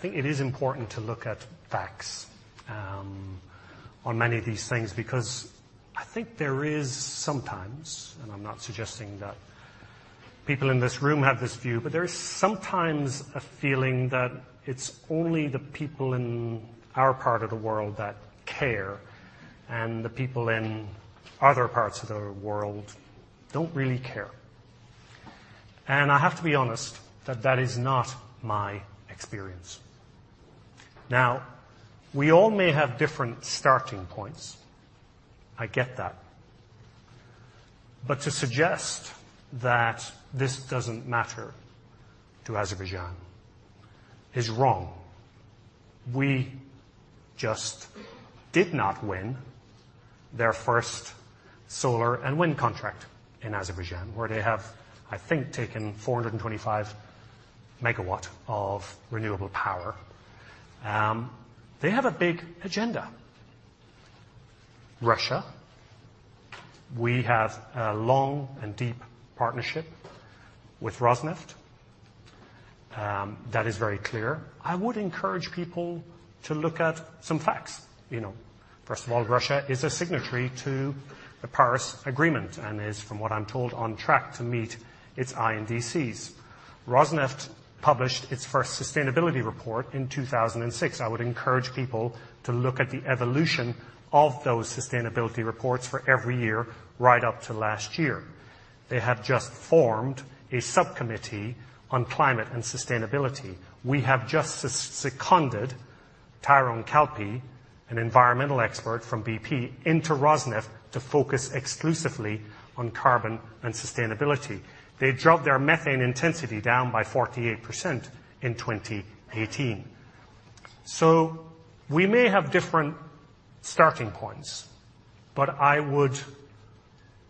think it is important to look at facts on many of these things, because I think there is sometimes, and I'm not suggesting that people in this room have this view, but there is sometimes a feeling that it's only the people in our part of the world that care, and the people in other parts of the world don't really care. I have to be honest that that is not my experience. Now, we all may have different starting points. I get that. To suggest that this doesn't matter to Azerbaijan is wrong. We just did not win their first solar and wind contract in Azerbaijan, where they have, I think, taken 425 MW of renewable power. They have a big agenda. Russia, we have a long and deep partnership with Rosneft. That is very clear. I would encourage people to look at some facts. First of all, Russia is a signatory to the Paris Agreement and is, from what I'm told, on track to meet its INDCs. Rosneft published its first sustainability report in 2006. I would encourage people to look at the evolution of those sustainability reports for every year right up to last year. They have just formed a subcommittee on climate and sustainability. We have just seconded Tyrone Kalpee, an environmental expert from BP, into Rosneft to focus exclusively on carbon and sustainability. They dropped their methane intensity down by 48% in 2018. We may have different starting points, but I would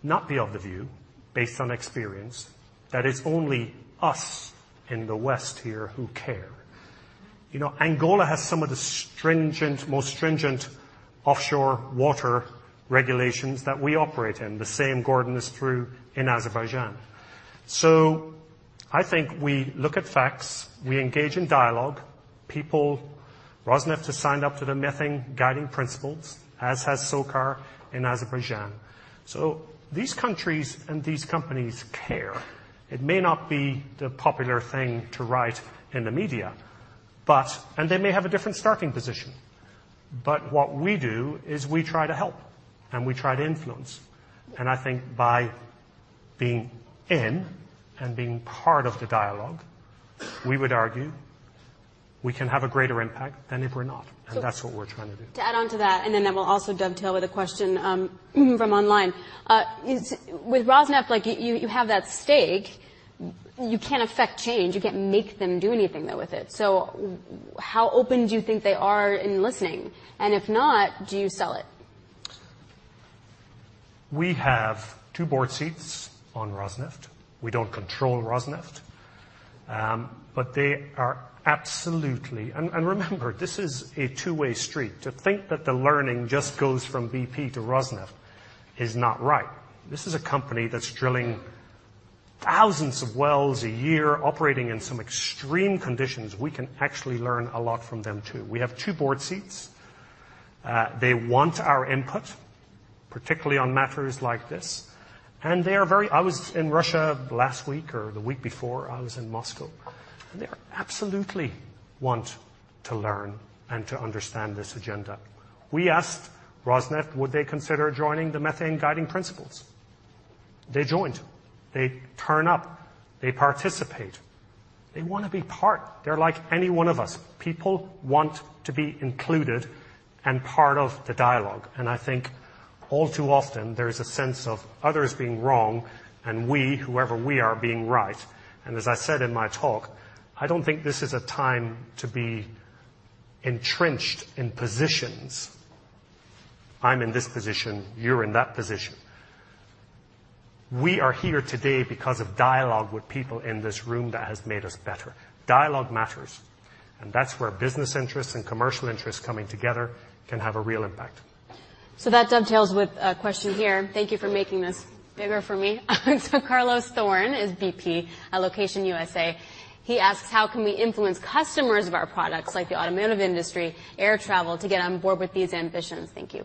not be of the view, based on experience, that it's only us in the West here who care. Angola has some of the most stringent offshore water regulations that we operate in. The same, Gordon, is true in Azerbaijan. I think we look at facts, we engage in dialogue. Rosneft has signed up to the Methane Guiding Principles, as has SOCAR in Azerbaijan. These countries and these companies care. It may not be the popular thing to write in the media, and they may have a different starting position. What we do is we try to help, and we try to influence. I think by being in and being part of the dialogue, we would argue we can have a greater impact than if we're not. That's what we're trying to do. To add onto that, then that will also dovetail with a question from online. With Rosneft, you have that stake. You can't affect change. You can't make them do anything, though, with it. How open do you think they are in listening? If not, do you sell it? We have two board seats on Rosneft. We don't control Rosneft. Remember, this is a two-way street. To think that the learning just goes from BP to Rosneft is not right. This is a company that's drilling thousands of wells a year, operating in some extreme conditions. We can actually learn a lot from them, too. We have two board seats. They want our input, particularly on matters like this. I was in Russia last week or the week before, I was in Moscow. They absolutely want to learn and to understand this agenda. We asked Rosneft would they consider joining the Methane Guiding Principles? They join. They turn up. They participate. They want to be part. They're like any one of us. People want to be included and part of the dialogue. And I think all too often, there's a sense of others being wrong and we, whoever we are, being right, and as I said in my talk, I don't think this is a time to be entrenched in positions. I'm in this position, you're in that position. We are here today because of dialogue with people in this room that has made us better. Dialogue matters. That's where business interests and commercial interests coming together can have a real impact. That dovetails with a question here. Thank you for making this bigger for me. Carlos Thorne is BP Location U.S.A. He asks, "How can we influence customers of our products, like the automotive industry, air travel, to get on board with these ambitions? Thank you."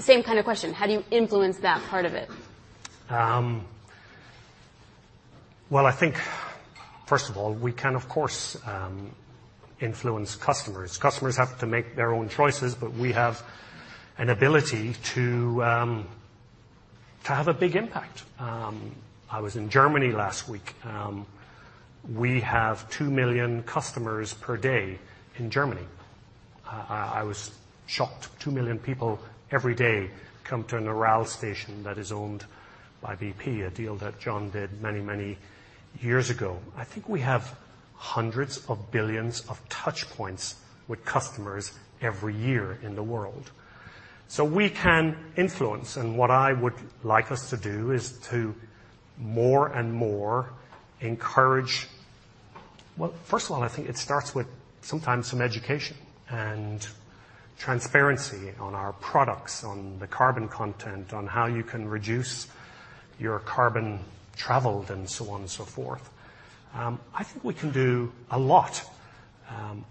Same kind of question. How do you influence that part of it? I think, first of all, we can, of course, influence customers. Customers have to make their own choices, but we have an ability to have a big impact. I was in Germany last week. We have 2 million customers per day in Germany. I was shocked. 2 million people every day come to an Aral station that is owned by BP, a deal that John did many years ago. I think we have hundreds of billions of touch points with customers every year in the world. We can influence, and what I would like us to do is to more and more encourage Well, first of all, I think it starts with sometimes some education and transparency on our products, on the carbon content, on how you can reduce your carbon traveled, and so on and so forth. I think we can do a lot.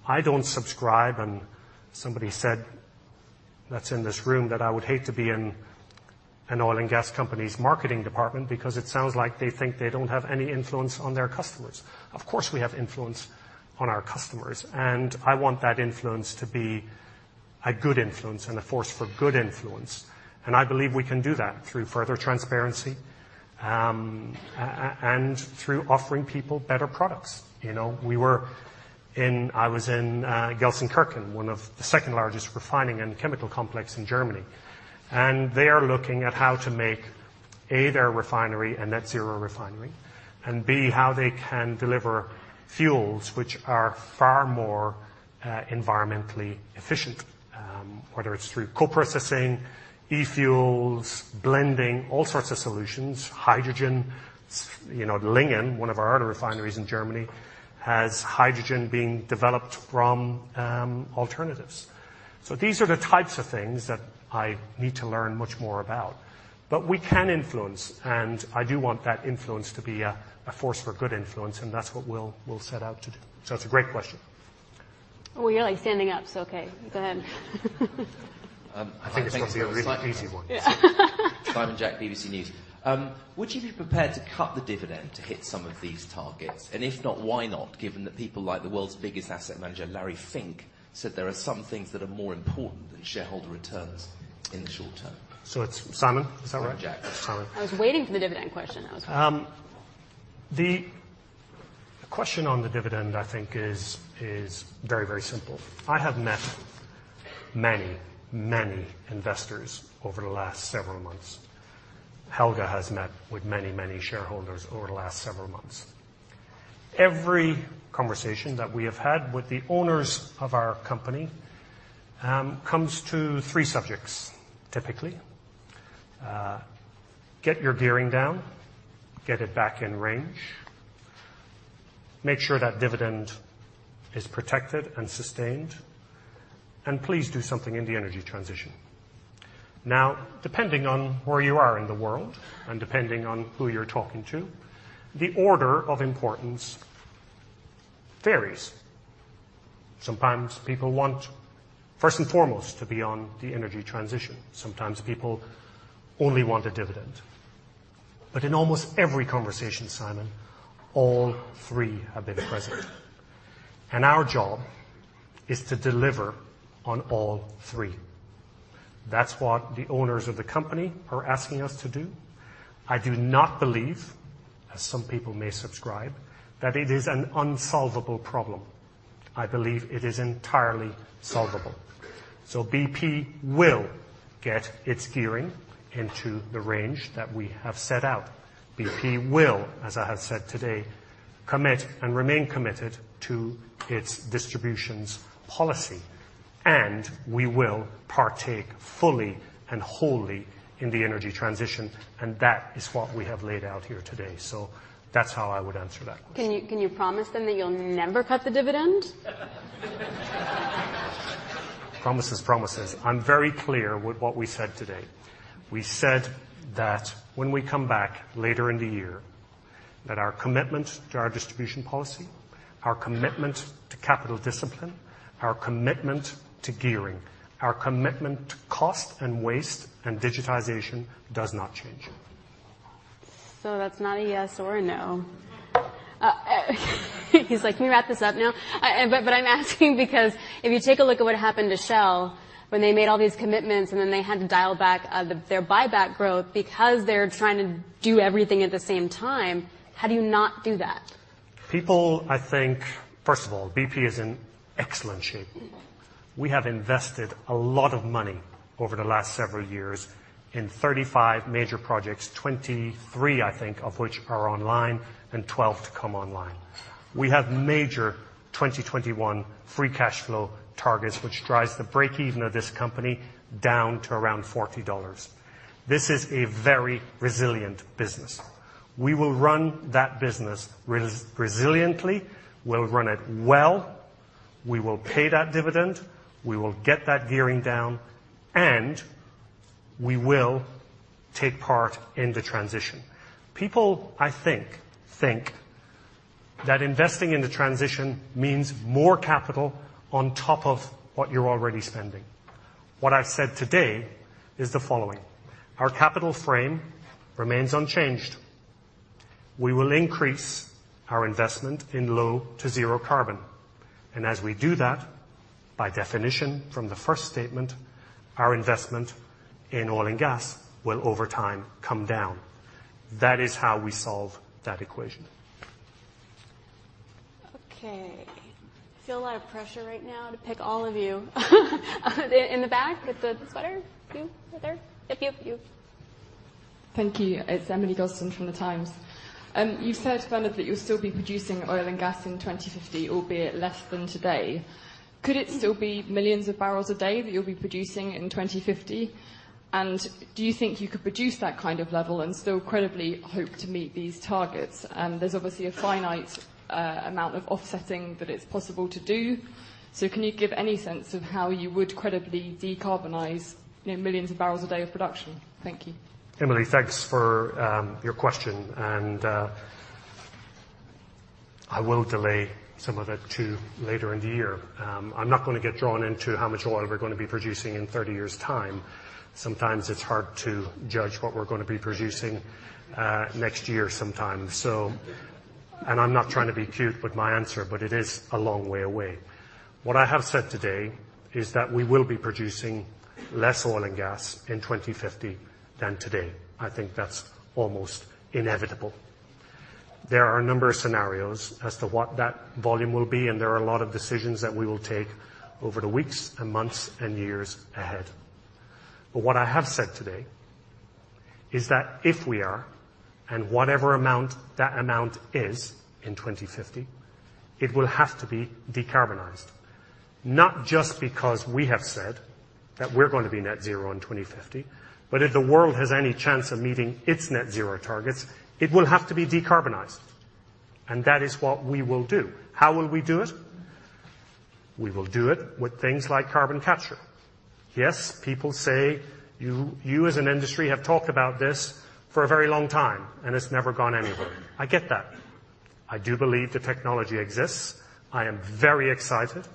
I don't subscribe, somebody said, that's in this room, that I would hate to be in an oil and gas company's marketing department because it sounds like they think they don't have any influence on their customers. Of course, we have influence on our customers, I want that influence to be a good influence, and a force for good influence. I believe we can do that through further transparency, and through offering people better products. I was in Gelsenkirchen, one of the second-largest refining and chemical complex in Germany. They are looking at how to make, A, their refinery a net zero refinery, and B, how they can deliver fuels which are far more environmentally efficient, whether it's through co-processing, e-fuels, blending, all sorts of solutions, hydrogen. Lingen, one of our other refineries in Germany, has hydrogen being developed from alternatives. These are the types of things that I need to learn much more about, but we can influence, and I do want that influence to be a force for good influence, and that's what we'll set out to do. It's a great question. Oh, you're standing up, so okay. Go ahead. I think it's going to be a really easy one. Would you be prepared to cut the dividend to hit some of these targets? If not, why not, given that people like the world's biggest asset manager, Larry Fink, said there are some things that are more important than shareholder returns in the short term? it's Simon? Is that right? Simon Jack. Simon. I was waiting for the dividend question. That was a good one. The question on the dividend, I think, is very simple. I have met many investors over the last several months. Helge has met with many shareholders over the last several months. Every conversation that we have had with the owners of our company comes to three subjects, typically. Get your gearing down, get it back in range, make sure that dividend is protected and sustained, and please do something in the energy transition. Depending on where you are in the world and depending on who you're talking to, the order of importance varies. Sometimes people want, first and foremost, to be on the energy transition. Sometimes people only want a dividend. In almost every conversation, Simon, all three have been present, and our job is to deliver on all three. That's what the owners of the company are asking us to do. I do not believe, as some people may subscribe, that it is an unsolvable problem. I believe it is entirely solvable. BP will get its gearing into the range that we have set out. BP will, as I have said today, commit and remain committed to its distributions policy, we will partake fully and wholly in the energy transition, that is what we have laid out here today. That's how I would answer that question. Can you promise then that you'll never cut the dividend? Promises, promises. I'm very clear with what we said today. We said that when we come back later in the year, that our commitment to our distribution policy, our commitment to capital discipline, our commitment to gearing, our commitment to cost and waste and digitization does not change. That's not a yes or a no. He's like, "Can we wrap this up now?" I'm asking because if you take a look at what happened to Shell, when they made all these commitments and then they had to dial back their buyback growth because they're trying to do everything at the same time, how do you not do that? First of all, BP is in excellent shape. We have invested a lot of money over the last several years in 35 major projects, 23, I think, of which are online and 12 to come online. We have major 2021 free cash flow targets, which drives the breakeven of this company down to around $40. This is a very resilient business. We will run that business resiliently. We'll run it well. We will pay that dividend. We will get that gearing down, and we will take part in the transition. People, I think that investing in the transition means more capital on top of what you're already spending. What I've said today is the following: Our capital frame remains unchanged. We will increase our investment in low to zero carbon, and as we do that, by definition, from the first statement, our investment in oil and gas will, over time, come down. That is how we solve that equation. Okay. I feel a lot of pressure right now to pick all of you. In the back with the sweater. You, right there. Yep, you. You. Thank you. It's Emily Gosden from The Times. You said, Bernard, that you'll still be producing oil and gas in 2050, albeit less than today. Could it still be millions of barrels a day that you'll be producing in 2050? Do you think you could produce that kind of level and still credibly hope to meet these targets? There's obviously a finite amount of offsetting that it's possible to do. Can you give any sense of how you would credibly decarbonize millions of barrels a day of production? Thank you. Emily, thanks for your question. I will delay some of it to later in the year. I'm not going to get drawn into how much oil we're going to be producing in 30 years' time. Sometimes it's hard to judge what we're going to be producing next year sometimes. I'm not trying to be cute with my answer, but it is a long way away. What I have said today is that we will be producing less oil and gas in 2050 than today. I think that's almost inevitable. There are a number of scenarios as to what that volume will be, and there are a lot of decisions that we will take over the weeks and months and years ahead. What I have said today is that if we are, and whatever amount that amount is in 2050, it will have to be decarbonized. Not just because we have said that we're going to be net zero in 2050, but if the world has any chance of meeting its net zero targets, it will have to be decarbonized, and that is what we will do. How will we do it? We will do it with things like carbon capture. Yes, people say you as an industry have talked about this for a very long time, and it's never gone anywhere. I get that. I do believe the technology exists. I am very excited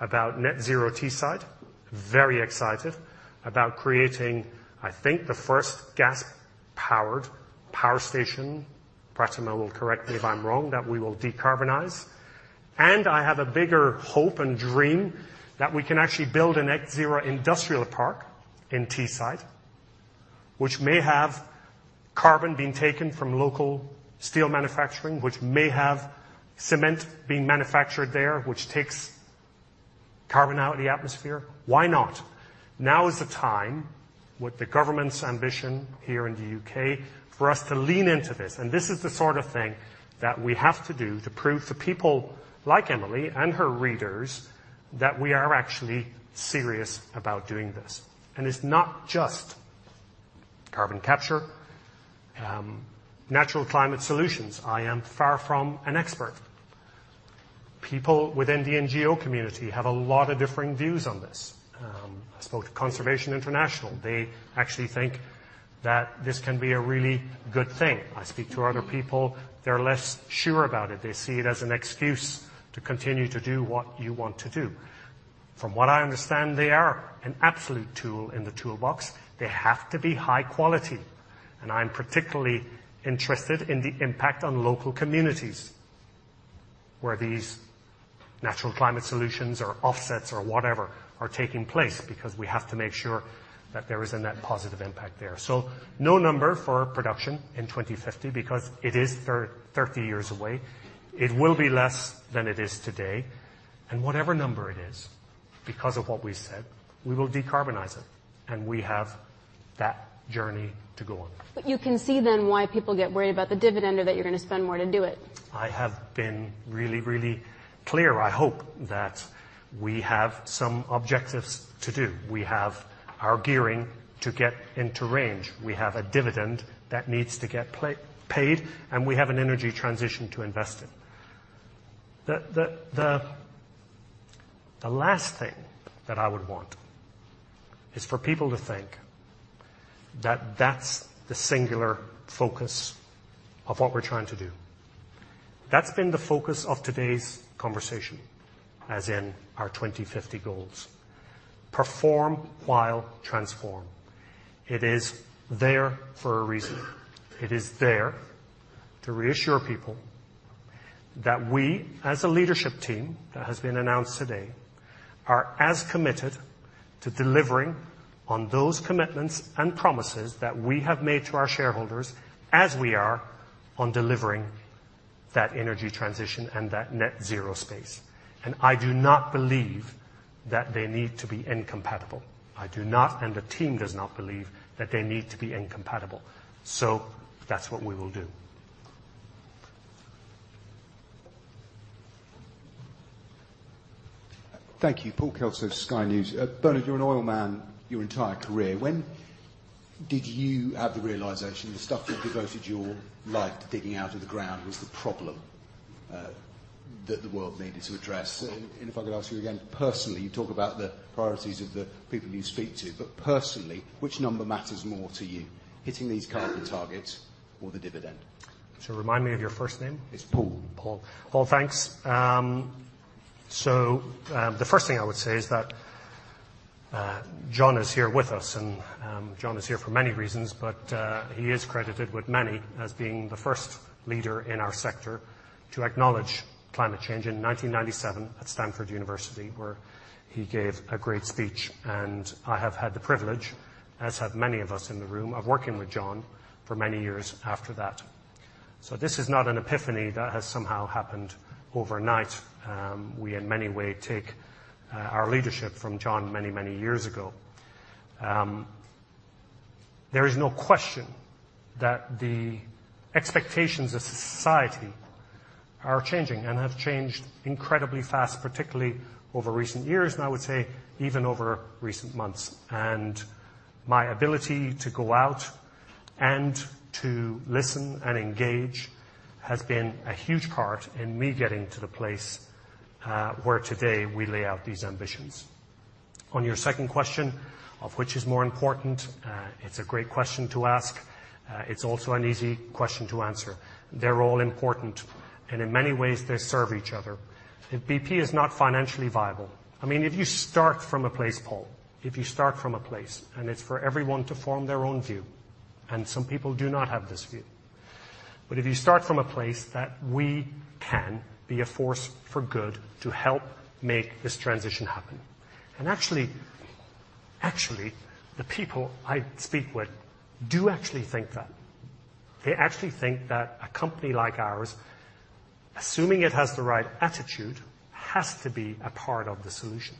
about Net Zero Teesside. Very excited about creating, I think, the first gas-powered power station, Pratima will correct me if I'm wrong, that we will decarbonize. I have a bigger hope and dream that we can actually build a net zero industrial park in Teesside, which may have carbon being taken from local steel manufacturing, which may have cement being manufactured there, which takes carbon out of the atmosphere. Why not? Now is the time, with the government's ambition here in the U.K., for us to lean into this. This is the sort of thing that we have to do to prove to people like Emily and her readers that we are actually serious about doing this. It's not just carbon capture. natural climate solutions, I am far from an expert. People within the NGO community have a lot of differing views on this. I spoke to Conservation International. They actually think that this can be a really good thing. I speak to other people. They're less sure about it. They see it as an excuse to continue to do what you want to do. From what I understand, they are an absolute tool in the toolbox. They have to be high quality, and I'm particularly interested in the impact on local communities, where these natural climate solutions or offsets or whatever are taking place. We have to make sure that there is a net positive impact there. No number for production in 2050 because it is 30 years away. It will be less than it is today. Whatever number it is, because of what we said, we will decarbonize it, and we have that journey to go on. You can see then why people get worried about the dividend or that you're going to spend more to do it. I have been really, really clear. I hope that we have some objectives to do. We have our gearing to get into range. We have a dividend that needs to get paid, and we have an energy transition to invest in. The last thing that I would want is for people to think that that's the singular focus of what we're trying to do. That's been the focus of today's conversation, as in our 2050 goals. Perform while Transform. It is there for a reason. It is there to reassure people that we, as a leadership team that has been announced today, are as committed to delivering on those commitments and promises that we have made to our shareholders as we are on delivering that energy transition and that net zero space. I do not believe that they need to be incompatible. I do not, and the team does not believe that they need to be incompatible. That's what we will do. Thank you. Paul Kelso, Sky News. Bernard, you're an oil man your entire career. When did you have the realization the stuff you devoted your life to digging out of the ground was the problem that the world needed to address? If I could ask you again, personally, you talk about the priorities of the people you speak to, but personally, which number matters more to you, hitting these carbon targets or the dividend? Remind me of your first name? It's Paul. Paul. Paul, thanks. The first thing I would say is that John is here with us, and John is here for many reasons, but he is credited with many as being the first leader in our sector to acknowledge climate change in 1997 at Stanford University, where he gave a great speech. I have had the privilege, as have many of us in the room, of working with John for many years after that. This is not an epiphany that has somehow happened overnight. We, in many way, take our leadership from John many years ago. There is no question that the expectations of society are changing and have changed incredibly fast, particularly over recent years and I would say even over recent months. My ability to go out and to listen and engage has been a huge part in me getting to the place where today we lay out these ambitions. On your second question of which is more important, it's a great question to ask. It's also an easy question to answer. They're all important, and in many ways, they serve each other. If BP is not financially viable, if you start from a place, Paul, if you start from a place, and it's for everyone to form their own view, and some people do not have this view. If you start from a place that we can be a force for good to help make this transition happen. Actually, the people I speak with do actually think that. They actually think that a company like ours, actually assuming it has the right attitude, has to be a part of the solution.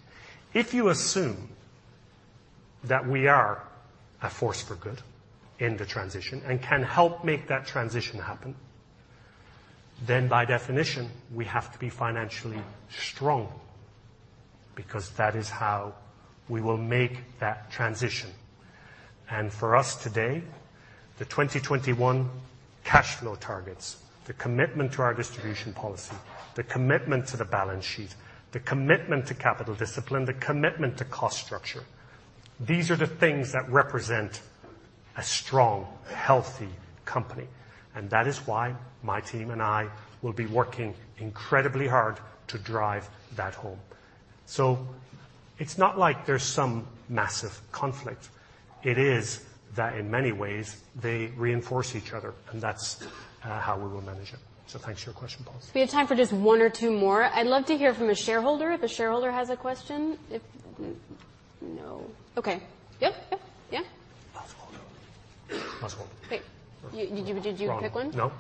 If you assume that we are a force for good in the transition and can help make that transition happen, then by definition, we have to be financially strong because that is how we will make that transition. For us today, the 2021 cash flow targets, the commitment to our distribution policy, the commitment to the balance sheet, the commitment to capital discipline, the commitment to cost structure, these are the things that represent a strong, healthy company. That is why my team and I will be working incredibly hard to drive that home. It's not like there's some massive conflict. It is that in many ways, they reinforce each other, and that's how we will manage it. Thanks for your question, Paul. We have time for just one or two more. I'd love to hear from a shareholder, if a shareholder has a question. No. Okay. Yep. Yeah. Osvaldo. Osvaldo. Wait. Did you pick one? No.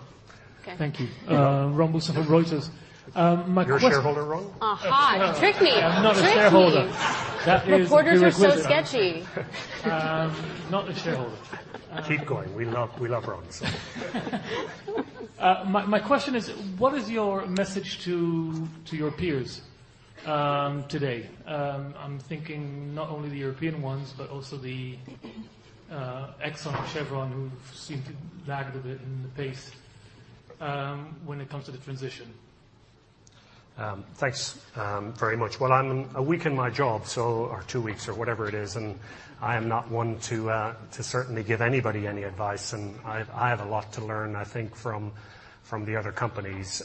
Okay. Thank you. Ron Bousso from Reuters. You're a shareholder, Ron? You tricked me. I'm not a shareholder. That is the requisite. Reporters are so sketchy. Not a shareholder. Keep going. We love Ron. My question is, what is your message to your peers today? I'm thinking not only the European ones, but also the Exxon, Chevron, who seem to have lagged a bit in the pace when it comes to the transition. Thanks very much. Well, I'm a week in my job, or two weeks or whatever it is, and I am not one to certainly give anybody any advice. I have a lot to learn, I think, from the other companies.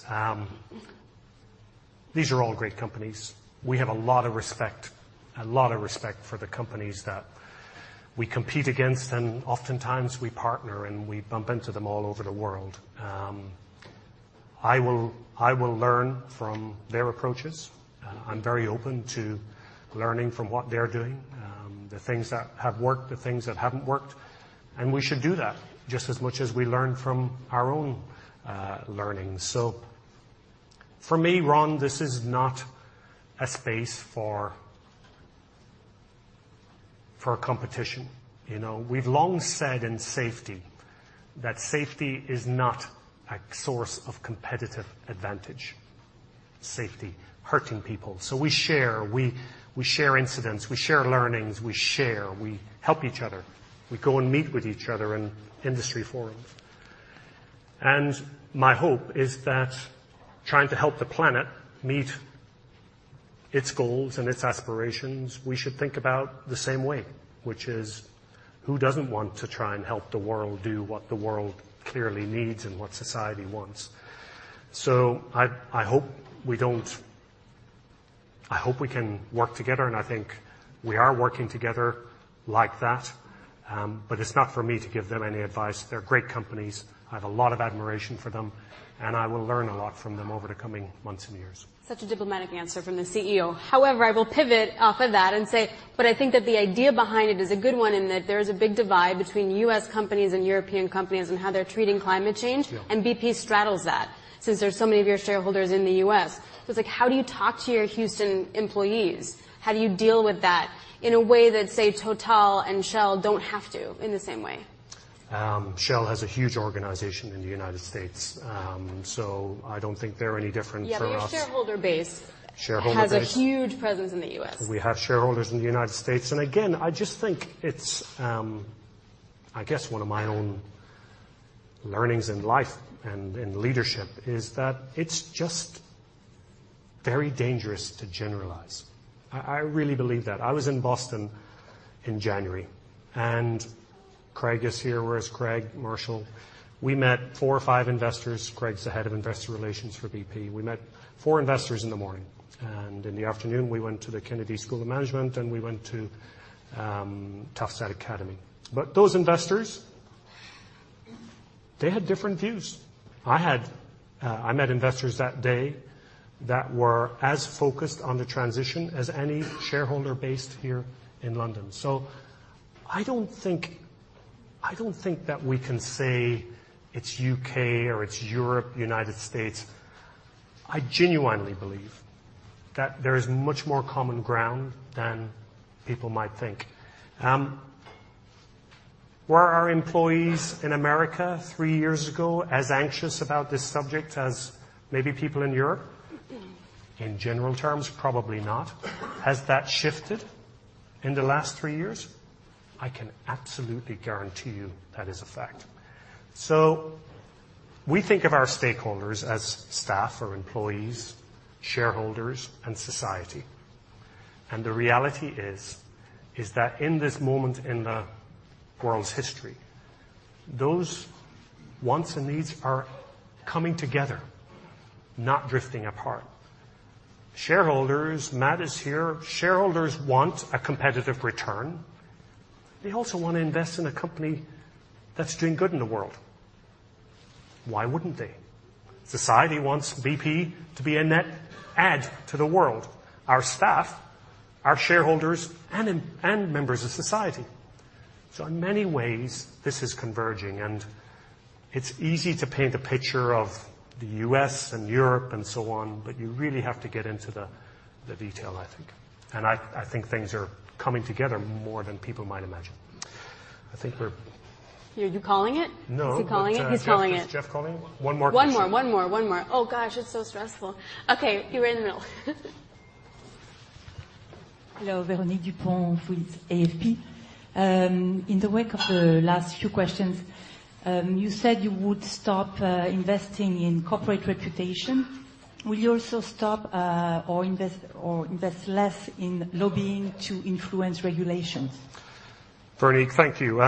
These are all great companies. We have a lot of respect for the companies that we compete against, and oftentimes we partner, and we bump into them all over the world. I will learn from their approaches. I'm very open to learning from what they're doing, the things that have worked, the things that haven't worked, and we should do that just as much as we learn from our own learnings. For me, Ron, this is not a space for competition. We've long said in safety that safety is not a source of competitive advantage. Safety, hurting people. We share incidents, we share learnings, we help each other. We go and meet with each other in industry forums. My hope is that trying to help the planet meet its goals and its aspirations, we should think about the same way, which is who doesn't want to try and help the world do what the world clearly needs and what society wants? I hope we can work together, and I think we are working together like that. It's not for me to give them any advice. They're great companies. I have a lot of admiration for them, and I will learn a lot from them over the coming months and years. Such a diplomatic answer from the CEO. I will pivot off of that and say, I think that the idea behind it is a good one in that there is a big divide between U.S. companies and European companies in how they're treating climate change. Yeah. BP straddles that since there's so many of your shareholders in the U.S. It's like, how do you talk to your Houston employees? How do you deal with that in a way that, say, Total and Shell don't have to in the same way? Shell has a huge organization in the United States, so I don't think they're any different from us. Yeah, your shareholder base has a huge presence in the U.S. We have shareholders in the U.S., and again, I just think it's, I guess one of my own learnings in life and in leadership is that it's just very dangerous to generalize. I really believe that. I was in Boston in January, and Craig is here. Where is Craig Marshall? We met four or five investors. Craig's the head of investor relations for BP. We met four investors in the morning, and in the afternoon, we went to the Harvard Kennedy School, and we went to Tufts University. Those investors, they had different views. I met investors that day that were as focused on the transition as any shareholder based here in London. I don't think that we can say it's U.K. or it's Europe, U.S. I genuinely believe that there is much more common ground than people might think. Were our employees in the U.S. three years ago as anxious about this subject as maybe people in Europe? In general terms, probably not. Has that shifted in the last three years? I can absolutely guarantee you that is a fact. We think of our stakeholders as staff or employees, shareholders, and society. The reality is that in this moment in the world's history, those wants and needs are coming together, not drifting apart. Shareholders, Matt is here. Shareholders want a competitive return. They also want to invest in a company that's doing good in the world. Why wouldn't they? Society wants BP to be a net add to the world, our staff, our shareholders, and members of society. In many ways, this is converging, and it's easy to paint a picture of the U.S. and Europe and so on, but you really have to get into the detail, I think. I think things are coming together more than people might imagine. Are you calling it? No. Is he calling it? He's calling it. Is Geoff calling? One more question. One more, one more, one more. Oh, gosh, it's so stressful. Okay, you were in the middle. Hello. Véronique Dupont with AFP. In the wake of the last few questions, you said you would stop investing in corporate reputation. Will you also stop, or invest less in lobbying to influence regulations? Véronique, thank you.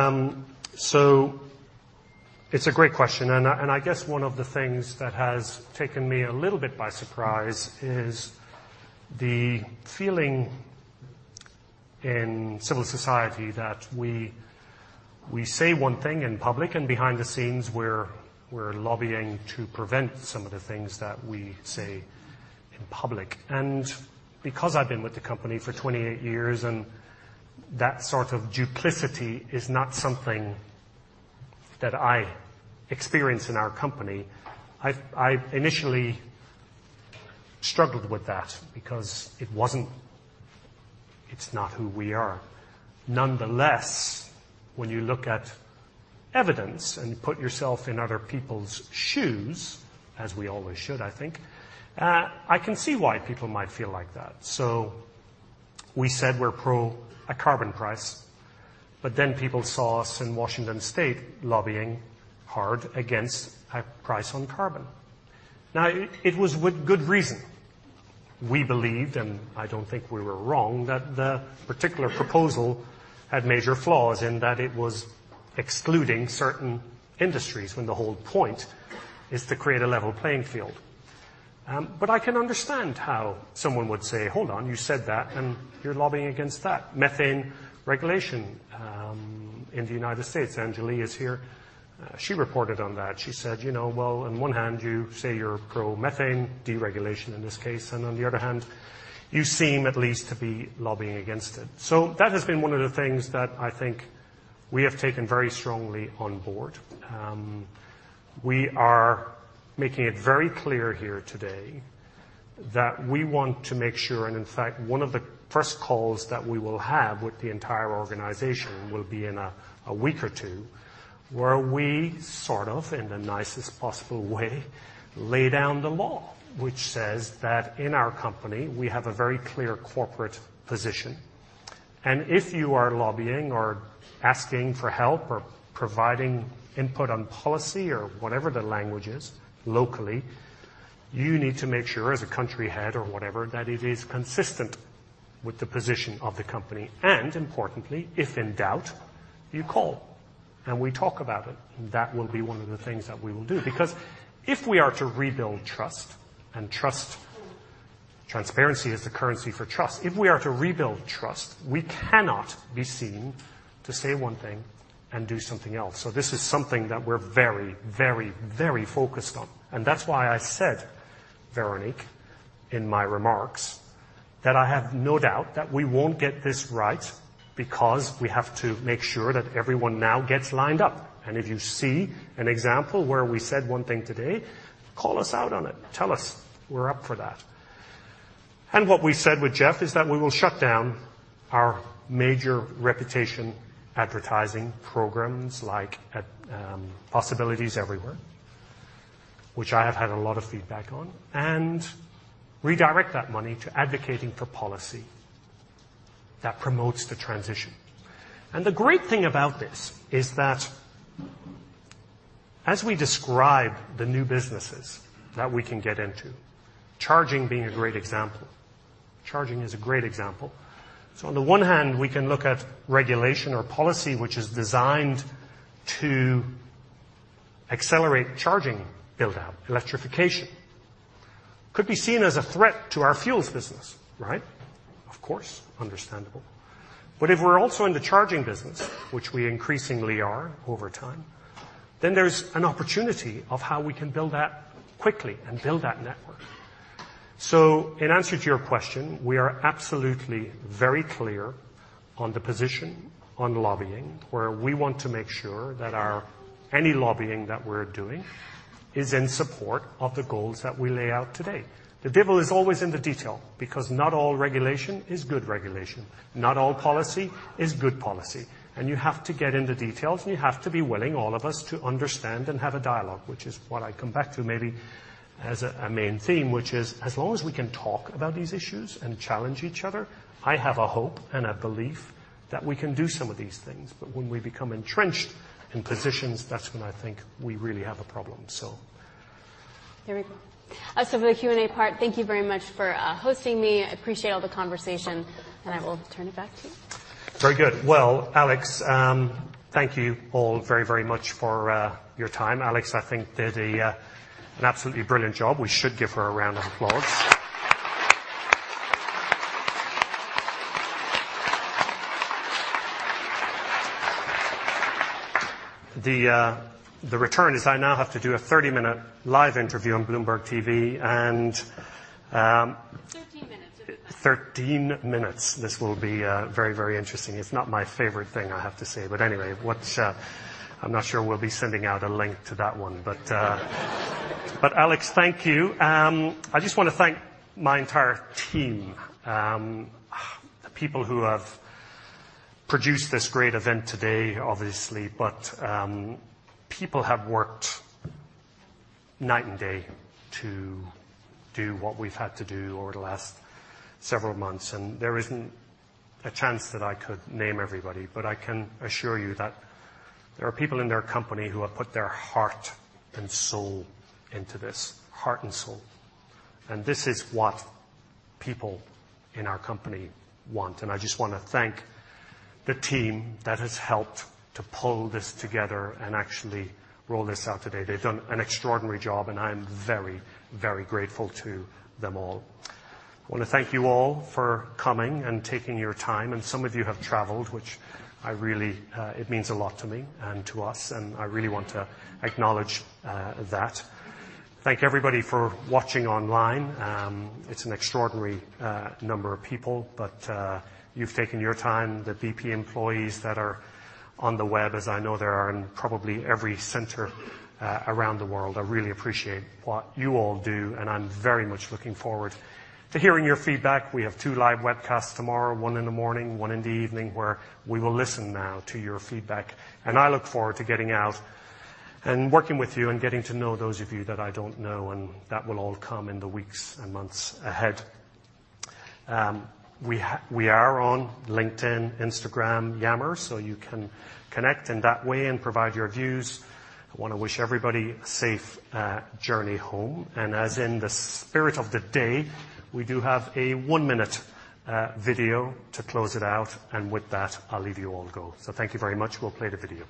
It's a great question, and I guess one of the things that has taken me a little bit by surprise is the feeling in civil society that we say one thing in public, and behind the scenes, we're lobbying to prevent some of the things that we say in public. Because I've been with the company for 28 years, that sort of duplicity is not something that I experience in our company. I initially struggled with that because it's not who we are. Nonetheless, when you look at evidence and put yourself in other people's shoes, as we always should, I think, I can see why people might feel like that. We said we're pro a carbon price, but then people saw us in Washington State lobbying hard against a price on carbon. It was with good reason. We believed, and I don't think we were wrong, that the particular proposal had major flaws in that it was excluding certain industries when the whole point is to create a level playing field. I can understand how someone would say, "Hold on, you said that, and you're lobbying against that methane regulation in the U.S." Angeline is here. She reported on that. She said, "Well, on one hand, you say you're pro methane deregulation in this case, and on the other hand, you seem at least to be lobbying against it." That has been one of the things that I think we have taken very strongly on board. We are making it very clear here today that we want to make sure. In fact, one of the first calls that we will have with the entire organization will be in a week or two, where we sort of, in the nicest possible way, lay down the law, which says that in our company, we have a very clear corporate position. If you are lobbying or asking for help or providing input on policy or whatever the language is locally, you need to make sure as a country head or whatever, that it is consistent with the position of the company. Importantly, if in doubt, you call and we talk about it. That will be one of the things that we will do. If we are to rebuild trust and transparency is the currency for trust, if we are to rebuild trust, we cannot be seen to say one thing and do something else. This is something that we're very focused on. That's why I said, Véronique, in my remarks, that I have no doubt that we won't get this right because we have to make sure that everyone now gets lined up. If you see an example where we said one thing today, call us out on it. Tell us. We're up for that. What we said with Geoff is that we will shut down our major reputation advertising programs like Possibilities Everywhere, which I have had a lot of feedback on, and redirect that money to advocating for policy that promotes the transition. The great thing about this is that as we describe the new businesses that we can get into, charging being a great example. Charging is a great example. On the one hand, we can look at regulation or policy which is designed to accelerate charging build-out, electrification. Could be seen as a threat to our fuels business, right? Of course. Understandable. If we're also in the charging business, which we increasingly are over time, there's an opportunity of how we can build that quickly and build that network. In answer to your question, we are absolutely very clear on the position on lobbying, where we want to make sure that any lobbying that we're doing is in support of the goals that we lay out today. The devil is always in the detail because not all regulation is good regulation. Not all policy is good policy. You have to get into details, and you have to be willing, all of us, to understand and have a dialogue, which is what I come back to maybe as a main theme, which is, as long as we can talk about these issues and challenge each other, I have a hope and a belief that we can do some of these things. When we become entrenched in positions, that's when I think we really have a problem. There we go. For the Q&A part, thank you very much for hosting me. I appreciate all the conversation, and I will turn it back to you. Very good. Well, Alix, thank you all very much for your time. Alix, I think, did an absolutely brilliant job. We should give her a round of applause. The return is I now have to do a 30-minute live interview on Bloomberg Television. 13 minutes. 13 minutes. This will be very interesting. It's not my favorite thing, I have to say. Anyway, I'm not sure we'll be sending out a link to that one. Alix, thank you. I just want to thank my entire team. The people who have produced this great event today, obviously. People have worked night and day to do what we've had to do over the last several months. There isn't a chance that I could name everybody, but I can assure you that there are people in their company who have put their heart and soul into this. Heart and soul. This is what people in our company want. I just want to thank the team that has helped to pull this together and actually roll this out today. They've done an extraordinary job, and I am very grateful to them all. I want to thank you all for coming and taking your time. Some of you have traveled, which it means a lot to me and to us, I really want to acknowledge that. Thank everybody for watching online. It's an extraordinary number of people, but you've taken your time. The BP employees that are on the web, as I know there are in probably every center around the world, I really appreciate what you all do, and I'm very much looking forward to hearing your feedback. We have two live webcasts tomorrow, one in the morning, one in the evening, where we will listen now to your feedback. I look forward to getting out and working with you and getting to know those of you that I don't know, that will all come in the weeks and months ahead. We are on LinkedIn, Instagram, Yammer. You can connect in that way and provide your views. I want to wish everybody a safe journey home. As in the spirit of the day, we do have a one-minute video to close it out. With that, I'll leave you all to go. Thank you very much. We'll play the video.